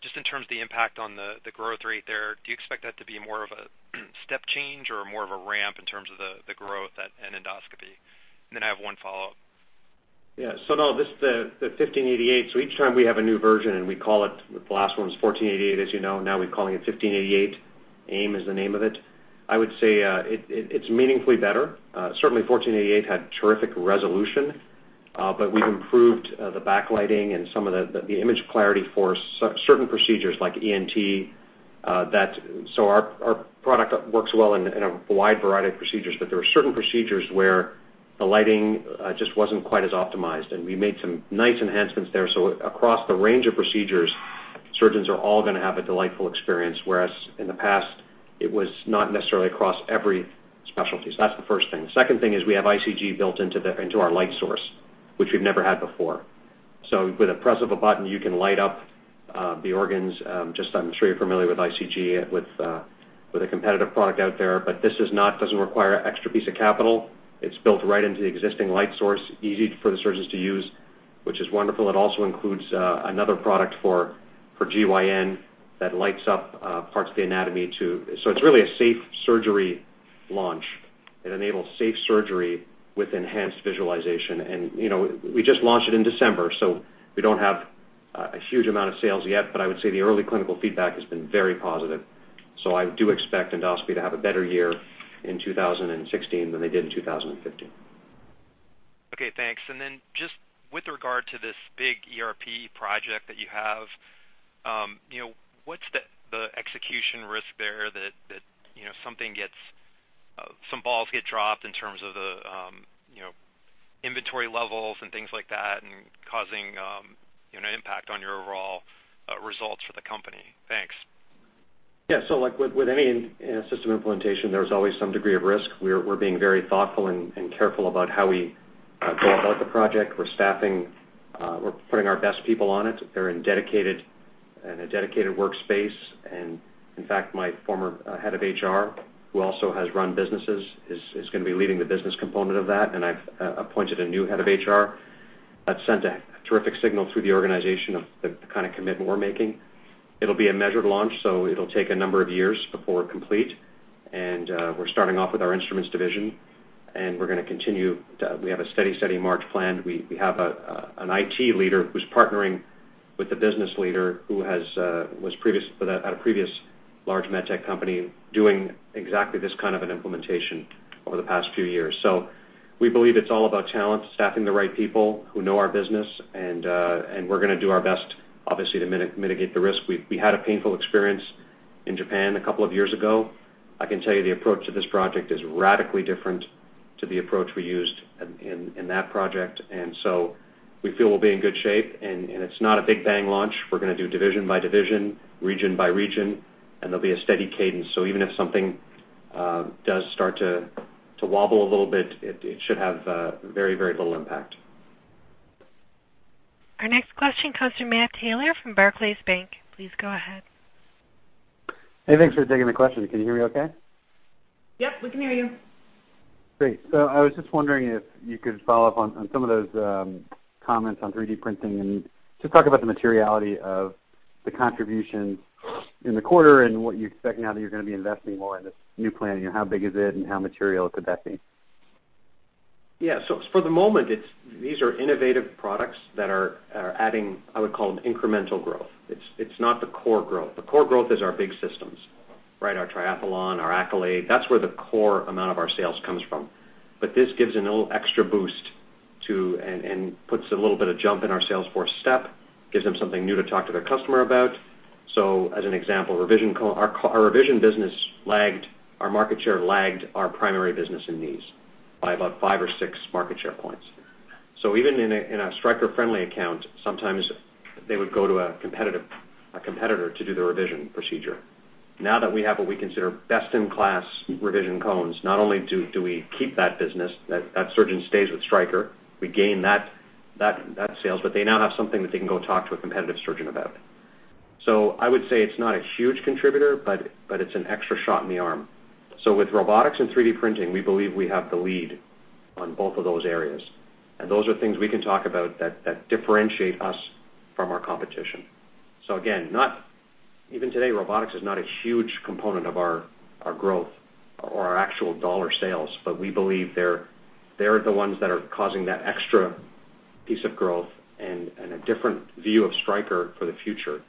Just in terms of the impact on the growth rate there, do you expect that to be more of a step change or more of a ramp in terms of the growth at endoscopy? Then I have one follow-up. No, the 1588, each time we have a new version and we call it, the last one was 1488, as you know. Now we're calling it 1588. AIM is the name of it. I would say it's meaningfully better. Certainly 1488 had terrific resolution, but we've improved the backlighting and some of the image clarity for certain procedures like ENT. Our product works well in a wide variety of procedures, but there are certain procedures where the lighting just wasn't quite as optimized, and we made some nice enhancements there. Across the range of procedures, surgeons are all going to have a delightful experience, whereas in the past, it was not necessarily across every specialty. That's the first thing. The second thing is we have ICG built into our light source, which we've never had before. With the press of a button, you can light up the organs. I'm sure you're familiar with ICG with a competitive product out there, but this doesn't require an extra piece of capital. It's built right into the existing light source, easy for the surgeons to use, which is wonderful. It also includes another product for GYN that lights up parts of the anatomy, too. It's really a safe surgery launch. It enables safe surgery with enhanced visualization. We just launched it in December, we don't have a huge amount of sales yet, I would say the early clinical feedback has been very positive. I do expect endoscopy to have a better year in 2016 than they did in 2015. Okay, thanks. Just with regard to this big ERP project that you have, what's the execution risk there that some balls get dropped in terms of the inventory levels and things like that and causing an impact on your overall results for the company? Thanks. Yeah. Like with any system implementation, there's always some degree of risk. We're being very thoughtful and careful about how we go about the project. We're staffing, we're putting our best people on it. They're in a dedicated workspace. In fact, my former head of HR, who also has run businesses, is going to be leading the business component of that, and I've appointed a new head of HR. That sent a terrific signal through the organization of the kind of commitment we're making. It'll be a measured launch, so it'll take a number of years before complete. We're starting off with our instruments division, and we're going to continue. We have a steady march planned. We have an IT leader who's partnering with the business leader who had a previous large MedTech company doing exactly this kind of an implementation over the past few years. We believe it's all about talent, staffing the right people who know our business, and we're going to do our best, obviously, to mitigate the risk. We had a painful experience in Japan a couple of years ago. I can tell you the approach to this project is radically different to the approach we used in that project. We feel we'll be in good shape, and it's not a big bang launch. We're going to do division by division, region by region, and there'll be a steady cadence. Even if something does start to wobble a little bit, it should have very little impact. Our next question comes from Matt Taylor from Barclays Bank. Please go ahead. Hey, thanks for taking the question. Can you hear me okay? Yep, we can hear you. Great. I was just wondering if you could follow up on some of those comments on 3D printing and just talk about the materiality of the contribution in the quarter and what you expect now that you're going to be investing more in this new plan. How big is it and how material could that be? Yeah. For the moment, these are innovative products that are adding, I would call them incremental growth. It's not the core growth. The core growth is our big systems. Our Triathlon, our Accolade. That's where the core amount of our sales comes from. This gives a little extra boost and puts a little bit of jump in our sales force step, gives them something new to talk to their customer about. As an example, our revision business lagged, our market share lagged our primary business in knees by about five or six market share points. Even in a Stryker friendly account, sometimes they would go to a competitor to do the revision procedure. Now that we have what we consider best-in-class revision cones, not only do we keep that business, that surgeon stays with Stryker. We gain that sales, they now have something that they can go talk to a competitive surgeon about. I would say it's not a huge contributor, but it's an extra shot in the arm. With robotics and 3D printing, we believe we have the lead on both of those areas, and those are things we can talk about that differentiate us from our competition. Again, even today, robotics is not a huge component of our growth or our actual dollar sales, but we believe they're the ones that are causing that extra piece of growth and a different view of Stryker for the future.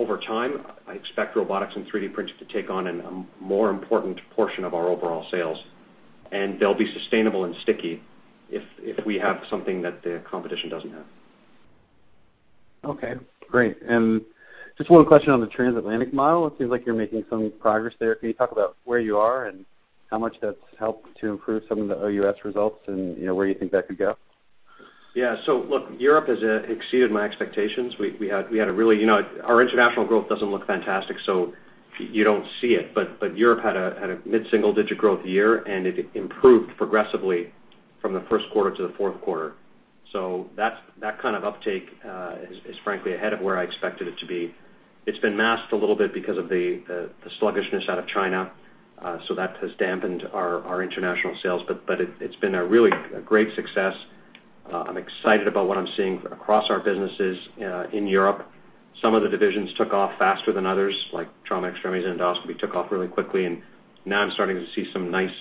Over time, I expect robotics and 3D printing to take on a more important portion of our overall sales, and they'll be sustainable and sticky if we have something that the competition doesn't have. Okay, great. Just one question on the Transatlantic Operating Model. It seems like you're making some progress there. Can you talk about where you are and how much that's helped to improve some of the OUS results and where you think that could go? Yeah. Look, Europe has exceeded my expectations. Our international growth doesn't look fantastic, you don't see it. Europe had a mid-single digit growth year, and it improved progressively from the first quarter to the fourth quarter. That kind of uptake is frankly ahead of where I expected it to be. It's been masked a little bit because of the sluggishness out of China. That has dampened our international sales, but it's been a really great success. I'm excited about what I'm seeing across our businesses in Europe. Some of the divisions took off faster than others, like trauma, extremities, and endoscopy took off really quickly. Now I'm starting to see some nice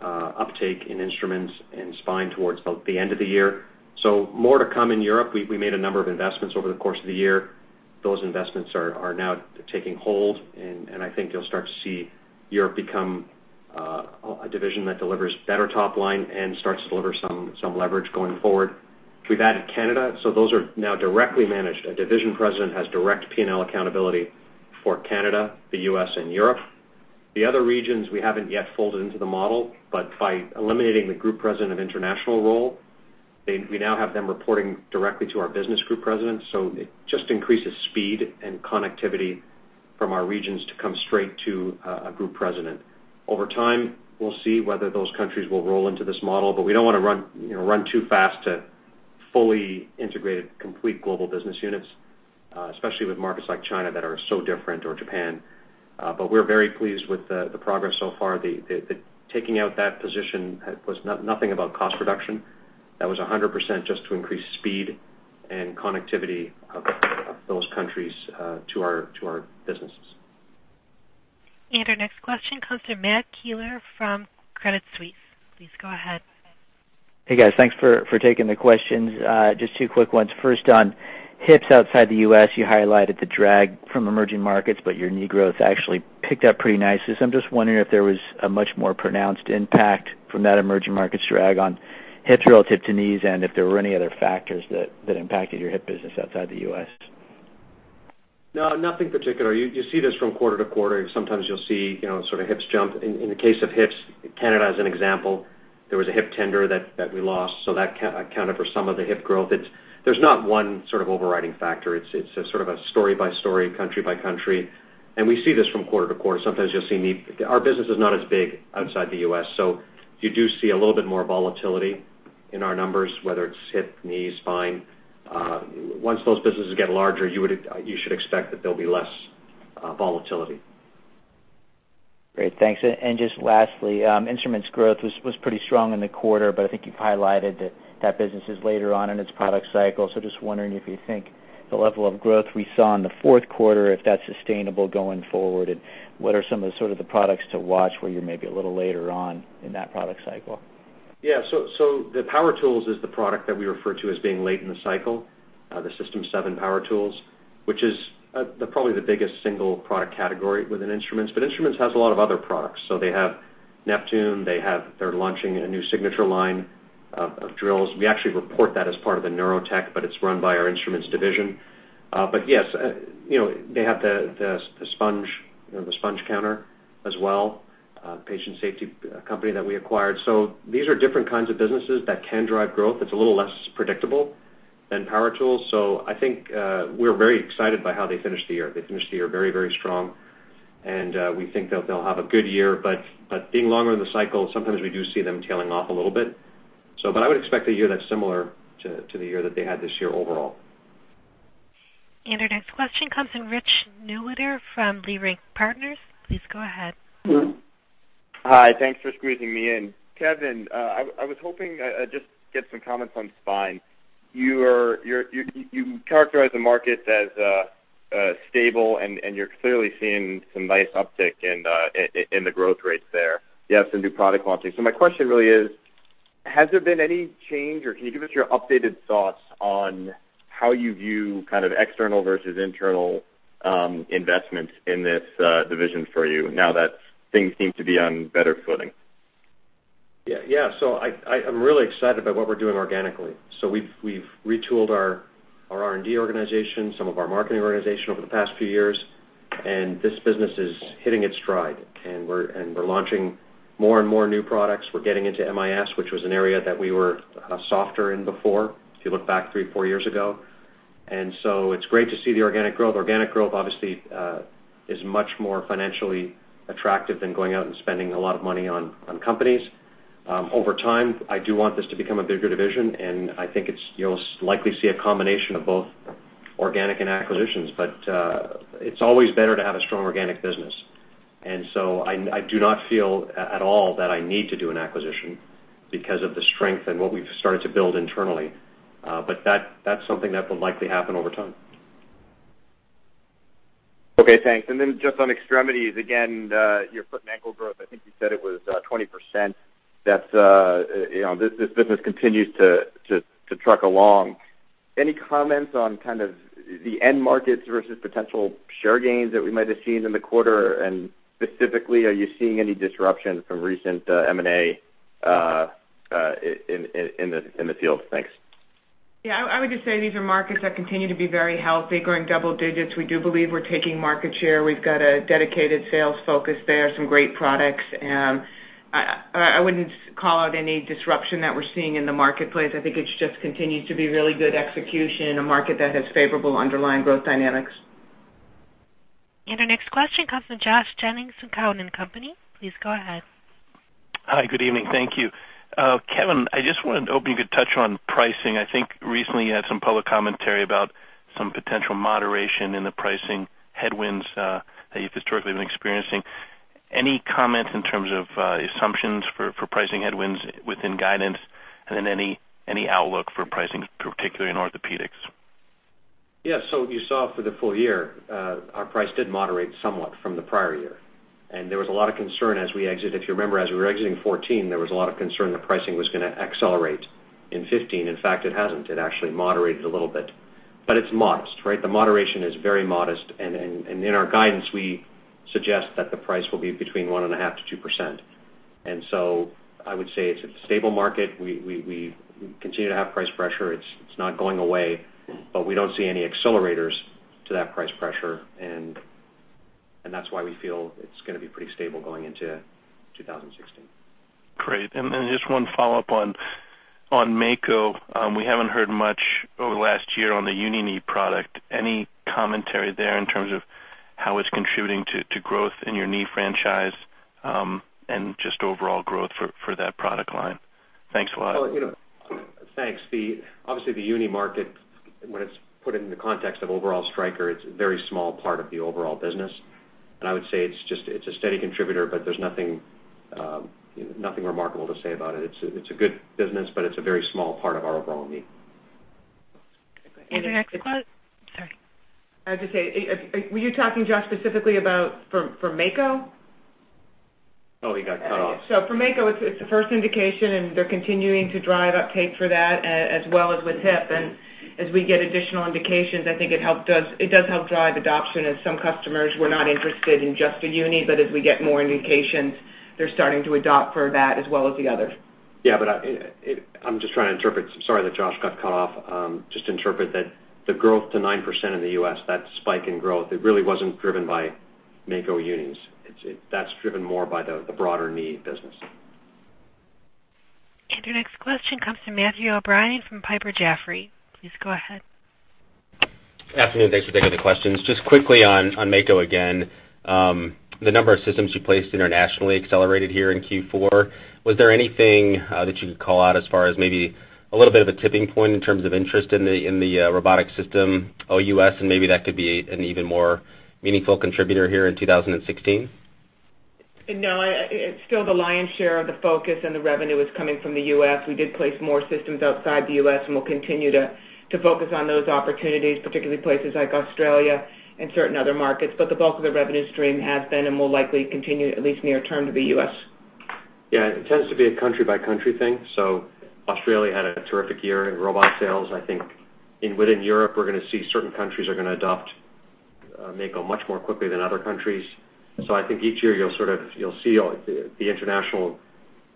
uptake in instruments and spine towards the end of the year. More to come in Europe. We made a number of investments over the course of the year. Those investments are now taking hold, I think you'll start to see Europe become a division that delivers better top line and starts to deliver some leverage going forward. We've added Canada, those are now directly managed. A division president has direct P&L accountability for Canada, the U.S., and Europe. The other regions we haven't yet folded into the model, but by eliminating the group president of international role, we now have them reporting directly to our business group presidents. It just increases speed and connectivity from our regions to come straight to a group president. Over time, we'll see whether those countries will roll into this model, but we don't want to run too fast to fully integrate complete global business units, especially with markets like China that are so different or Japan. We're very pleased with the progress so far. Taking out that position was nothing about cost reduction. That was 100% just to increase speed and connectivity of those countries to our businesses. Our next question comes from Matt Keeler from Credit Suisse. Please go ahead. Hey, guys. Thanks for taking the questions. Just two quick ones. First, on hips outside the U.S., you highlighted the drag from emerging markets, your knee growth actually picked up pretty nicely. I'm just wondering if there was a much more pronounced impact from that emerging markets drag on hips relative to knees, and if there were any other factors that impacted your hip business outside the U.S. No, nothing particular. You see this from quarter to quarter. Sometimes you'll see hips jump. In the case of hips, Canada as an example, there was a hip tender that we lost. That accounted for some of the hip growth. There's not one sort of overriding factor. It's sort of a story by story, country by country, we see this from quarter to quarter. Sometimes you'll see knee-- our business is not as big outside the U.S., you do see a little bit more volatility in our numbers, whether it's hip, knee, spine. Once those businesses get larger, you should expect that there'll be less volatility. Great. Thanks. Just lastly, instruments growth was pretty strong in the quarter, I think you've highlighted that that business is later on in its product cycle. Just wondering if you think the level of growth we saw in the fourth quarter, if that's sustainable going forward, and what are some of the sort of the products to watch where you may be a little later on in that product cycle? Yeah. The power tools is the product that we refer to as being late in the cycle, the System 7 power tools, which is probably the biggest single product category within instruments. Instruments has a lot of other products. They have Neptune. They're launching a new Signature line of drills. We actually report that as part of the Neurotechnology, but it's run by our instruments division. Yes, they have the sponge counter as well, patient safety company that we acquired. These are different kinds of businesses that can drive growth. It's a little less predictable than power tools. I think we're very excited by how they finished the year. They finished the year very strong, and we think they'll have a good year. Being longer in the cycle, sometimes we do see them tailing off a little bit. I would expect a year that's similar to the year that they had this year overall. Our next question comes from Richard Newitter from Leerink Partners. Please go ahead. Hi. Thanks for squeezing me in. Kevin, I was hoping I'd just get some comments on spine. You characterized the market as stable, and you're clearly seeing some nice uptick in the growth rates there. You have some new product launches. My question really is, has there been any change, or can you give us your updated thoughts on how you view kind of external versus internal investment in this division for you now that things seem to be on better footing? Yeah. I'm really excited by what we're doing organically. We've retooled our R&D organization, some of our marketing organization over the past few years, and this business is hitting its stride. We're launching more and more new products. We're getting into MIS, which was an area that we were softer in before, if you look back three, four years ago. It's great to see the organic growth. Organic growth obviously is much more financially attractive than going out and spending a lot of money on companies. Over time, I do want this to become a bigger division, and I think you'll likely see a combination of both organic and acquisitions. It's always better to have a strong organic business. I do not feel at all that I need to do an acquisition because of the strength and what we've started to build internally. That's something that will likely happen over time. Okay, thanks. Just on extremities, again, your foot and ankle growth, I think you said it was 20%. This business continues to truck along. Any comments on kind of the end markets versus potential share gains that we might have seen in the quarter? Specifically, are you seeing any disruption from recent M&A in the field? Thanks. Yeah, I would just say these are markets that continue to be very healthy, growing double digits. We do believe we're taking market share. We've got a dedicated sales focus there, some great products, and I wouldn't call out any disruption that we're seeing in the marketplace. I think it just continues to be really good execution in a market that has favorable underlying growth dynamics. Our next question comes from Josh Jennings from Cowen and Company. Please go ahead. Hi, good evening. Thank you. Kevin, I just wondered, hoping you could touch on pricing. I think recently you had some public commentary about some potential moderation in the pricing headwinds that you've historically been experiencing. Any comments in terms of assumptions for pricing headwinds within guidance, then any outlook for pricing, particularly in orthopedics? Yeah. You saw for the full year, our price did moderate somewhat from the prior year. There was a lot of concern as we exit. If you remember, as we were exiting 2014, there was a lot of concern that pricing was going to accelerate in 2015. In fact, it hasn't. It actually moderated a little bit. It's modest, right? The moderation is very modest, and in our guidance, we suggest that the price will be between 1.5%-2%. I would say it's a stable market. We continue to have price pressure. It's not going away, but we don't see any accelerators to that price pressure, and that's why we feel it's going to be pretty stable going into 2016. Great. Just one follow-up on Mako. We haven't heard much over the last year on the Uni knee product. Any commentary there in terms of how it's contributing to growth in your knee franchise and just overall growth for that product line? Thanks a lot. Thanks. Obviously, the Uni market, when it's put into context of overall Stryker, it's a very small part of the overall business. I would say it's a steady contributor, but there's nothing remarkable to say about it. It's a good business, but it's a very small part of our overall knee. Sorry. I have to say, were you talking, Josh, specifically about for Mako? Oh, he got cut off. For Mako, it's a first indication, and they're continuing to drive uptake for that as well as with hip. As we get additional indications, I think it does help drive adoption as some customers were not interested in just the Uni. As we get more indications, they're starting to adopt for that as well as the others. I'm just trying to interpret. Sorry that Josh got cut off. Just interpret that the growth to 9% in the U.S., that spike in growth, it really wasn't driven by Mako Unis. That's driven more by the broader knee business. Your next question comes from Matthew O'Brien from Piper Jaffray. Please go ahead. Afternoon. Thanks for taking the questions. Just quickly on Mako again. The number of systems you placed internationally accelerated here in Q4. Was there anything that you could call out as far as maybe a little bit of a tipping point in terms of interest in the robotic system, OUS, and maybe that could be an even more meaningful contributor here in 2016? It's still the lion's share of the focus, and the revenue is coming from the U.S. We did place more systems outside the U.S., and we'll continue to focus on those opportunities, particularly places like Australia and certain other markets. The bulk of the revenue stream has been and will likely continue, at least near term, to the U.S. It tends to be a country-by-country thing. Australia had a terrific year in robot sales. I think within Europe, we're going to see certain countries are going to adopt Mako much more quickly than other countries. I think each year you'll see the international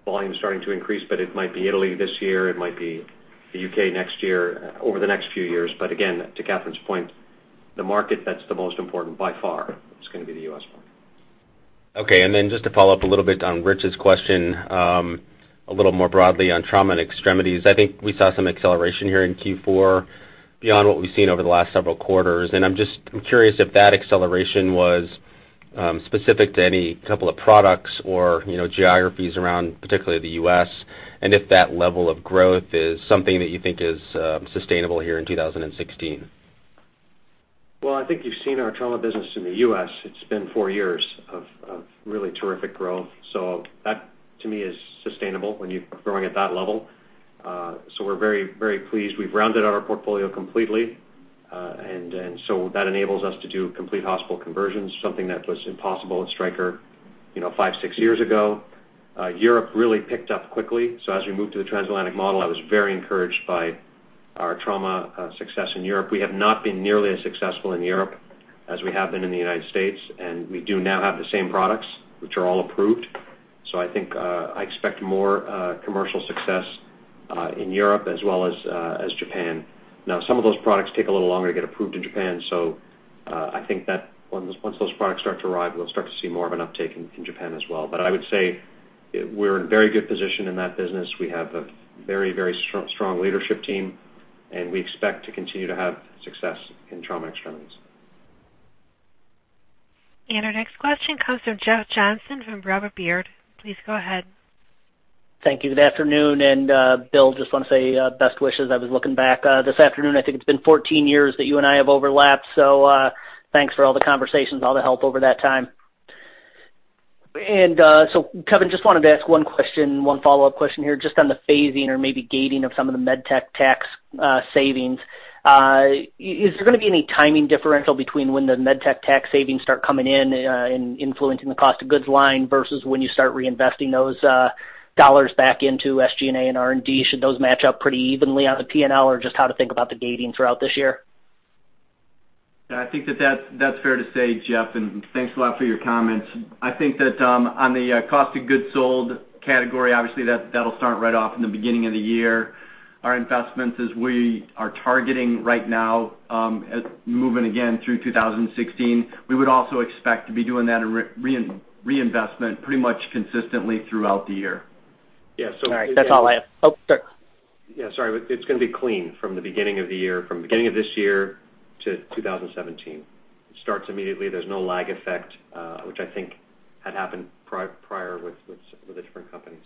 volume starting to increase, but it might be Italy this year, it might be the U.K. next year, over the next few years. Again, to Katherine's point, the market that's the most important by far is going to be the U.S. market. Just to follow up a little bit on Rich's question, a little more broadly on trauma and extremities. I think we saw some acceleration here in Q4 beyond what we've seen over the last several quarters, and I'm curious if that acceleration was specific to any couple of products or geographies around, particularly the U.S., and if that level of growth is something that you think is sustainable here in 2016. I think you've seen our trauma business in the U.S. It's been four years of really terrific growth. That to me is sustainable when you are growing at that level. We're very pleased. We've rounded out our portfolio completely, and so that enables us to do complete hospital conversions, something that was impossible at Stryker five, six years ago. Europe really picked up quickly. As we moved to the Transatlantic Operating Model, I was very encouraged by our trauma success in Europe. We have not been nearly as successful in Europe as we have been in the United States, and we do now have the same products, which are all approved. I expect more commercial success in Europe as well as Japan. Some of those products take a little longer to get approved in Japan, I think that once those products start to arrive, we'll start to see more of an uptake in Japan as well. I would say We're in very good position in that business. We have a very strong leadership team, and we expect to continue to have success in trauma extremities. Our next question comes from Jeff Johnson from Robert W. Baird. Please go ahead. Thank you. Good afternoon. Bill, just want to say best wishes. I was looking back this afternoon. I think it's been 14 years that you and I have overlapped, thanks for all the conversations, all the help over that time. Kevin, just wanted to ask one question, one follow-up question here, just on the phasing or maybe gating of some of the med tech tax savings. Is there going to be any timing differential between when the med tech tax savings start coming in and influencing the cost of goods line versus when you start reinvesting those dollars back into SG&A and R&D? Should those match up pretty evenly on the P&L or just how to think about the gating throughout this year? I think that that's fair to say, Jeff, thanks a lot for your comments. I think that on the cost of goods sold category, obviously that'll start right off in the beginning of the year. Our investments as we are targeting right now, moving again through 2016, we would also expect to be doing that reinvestment pretty much consistently throughout the year. Yeah. All right. That's all I have. Oh, sure. Yeah, sorry. It's going to be clean from the beginning of the year, from the beginning of this year to 2017. It starts immediately. There's no lag effect, which I think had happened prior with a different company.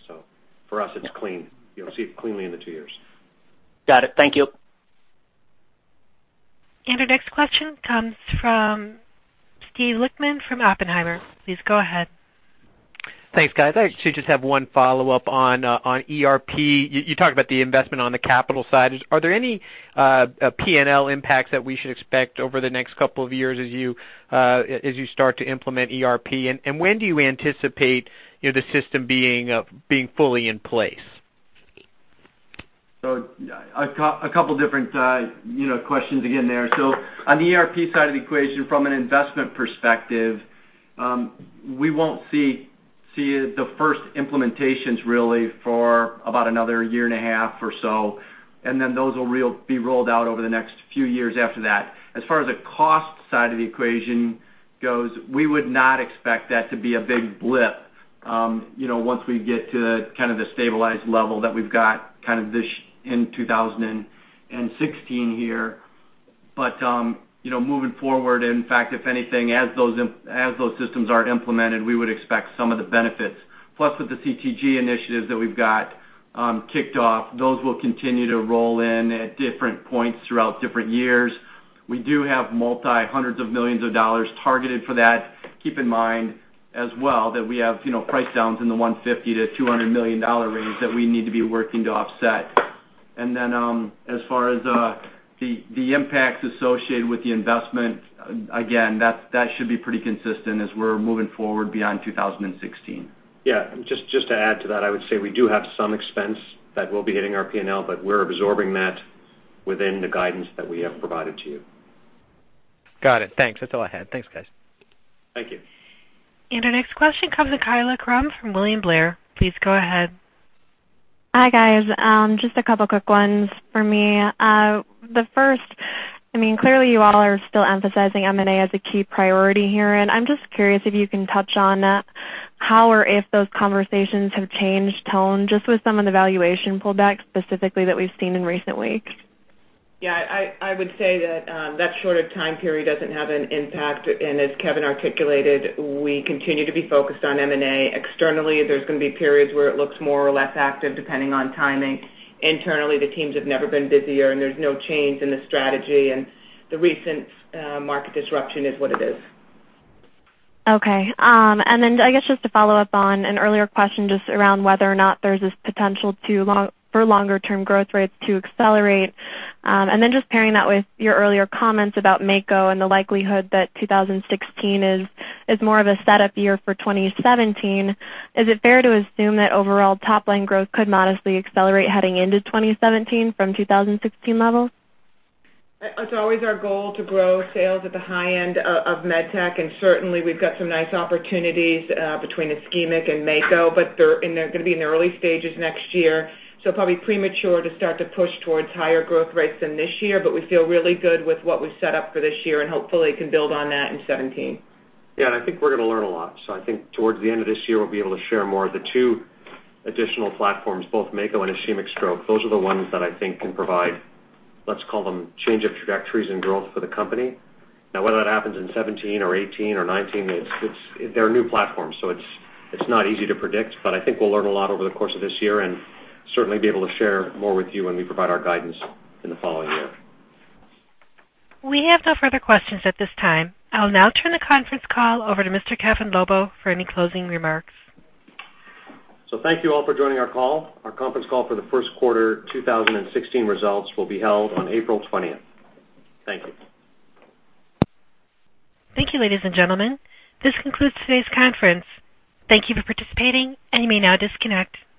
For us, it's clean. You'll see it cleanly in the two years. Got it. Thank you. Our next question comes from Steve Lichtman from Oppenheimer. Please go ahead. Thanks, guys. I actually just have one follow-up on ERP. You talked about the investment on the capital side. Are there any P&L impacts that we should expect over the next couple of years as you start to implement ERP? When do you anticipate the system being fully in place? A couple different questions again there. On the ERP side of the equation, from an investment perspective, we won't see the first implementations really for about another year and a half or so, and then those will be rolled out over the next few years after that. As far as the cost side of the equation goes, we would not expect that to be a big blip once we get to kind of the stabilized level that we've got kind of in 2016 here. Moving forward, in fact, if anything, as those systems are implemented, we would expect some of the benefits. Plus with the CTG initiatives that we've got kicked off, those will continue to roll in at different points throughout different years. We do have multi-hundreds of millions of dollars targeted for that. Keep in mind as well that we have price downs in the $150 million-$200 million range that we need to be working to offset. As far as the impacts associated with the investment, again, that should be pretty consistent as we're moving forward beyond 2016. Yeah. Just to add to that, I would say we do have some expense that will be hitting our P&L, we're absorbing that within the guidance that we have provided to you. Got it. Thanks. That's all I had. Thanks, guys. Thank you. Our next question comes from Kaila Krum from William Blair. Please go ahead. Hi, guys. Just a couple quick ones for me. The first, clearly you all are still emphasizing M&A as a key priority herein. I'm just curious if you can touch on how or if those conversations have changed tone, just with some of the valuation pullbacks specifically that we've seen in recent weeks. Yeah, I would say that shorter time period doesn't have an impact, and as Kevin articulated, we continue to be focused on M&A externally. There's going to be periods where it looks more or less active depending on timing. Internally, the teams have never been busier, and there's no change in the strategy, and the recent market disruption is what it is. Okay. I guess just to follow up on an earlier question just around whether or not there's this potential for longer term growth rates to accelerate. Just pairing that with your earlier comments about Mako and the likelihood that 2016 is more of a setup year for 2017, is it fair to assume that overall top line growth could modestly accelerate heading into 2017 from 2016 levels? It's always our goal to grow sales at the high end of MedTech, and certainly we've got some nice opportunities between ischemic and Mako, but they're going to be in the early stages next year, so probably premature to start to push towards higher growth rates than this year. We feel really good with what we've set up for this year and hopefully can build on that in 2017. Yeah, and I think we're going to learn a lot. I think towards the end of this year, we'll be able to share more of the two additional platforms, both Mako and ischemic stroke. Those are the ones that I think can provide, let's call them change of trajectories and growth for the company. Whether that happens in 2017 or 2018 or 2019, they're new platforms, so it's not easy to predict, but I think we'll learn a lot over the course of this year and certainly be able to share more with you when we provide our guidance in the following year. We have no further questions at this time. I'll now turn the conference call over to Mr. Kevin Lobo for any closing remarks. Thank you all for joining our call. Our conference call for the first quarter 2016 results will be held on April 20th. Thank you. Thank you, ladies and gentlemen. This concludes today's conference. Thank you for participating, and you may now disconnect.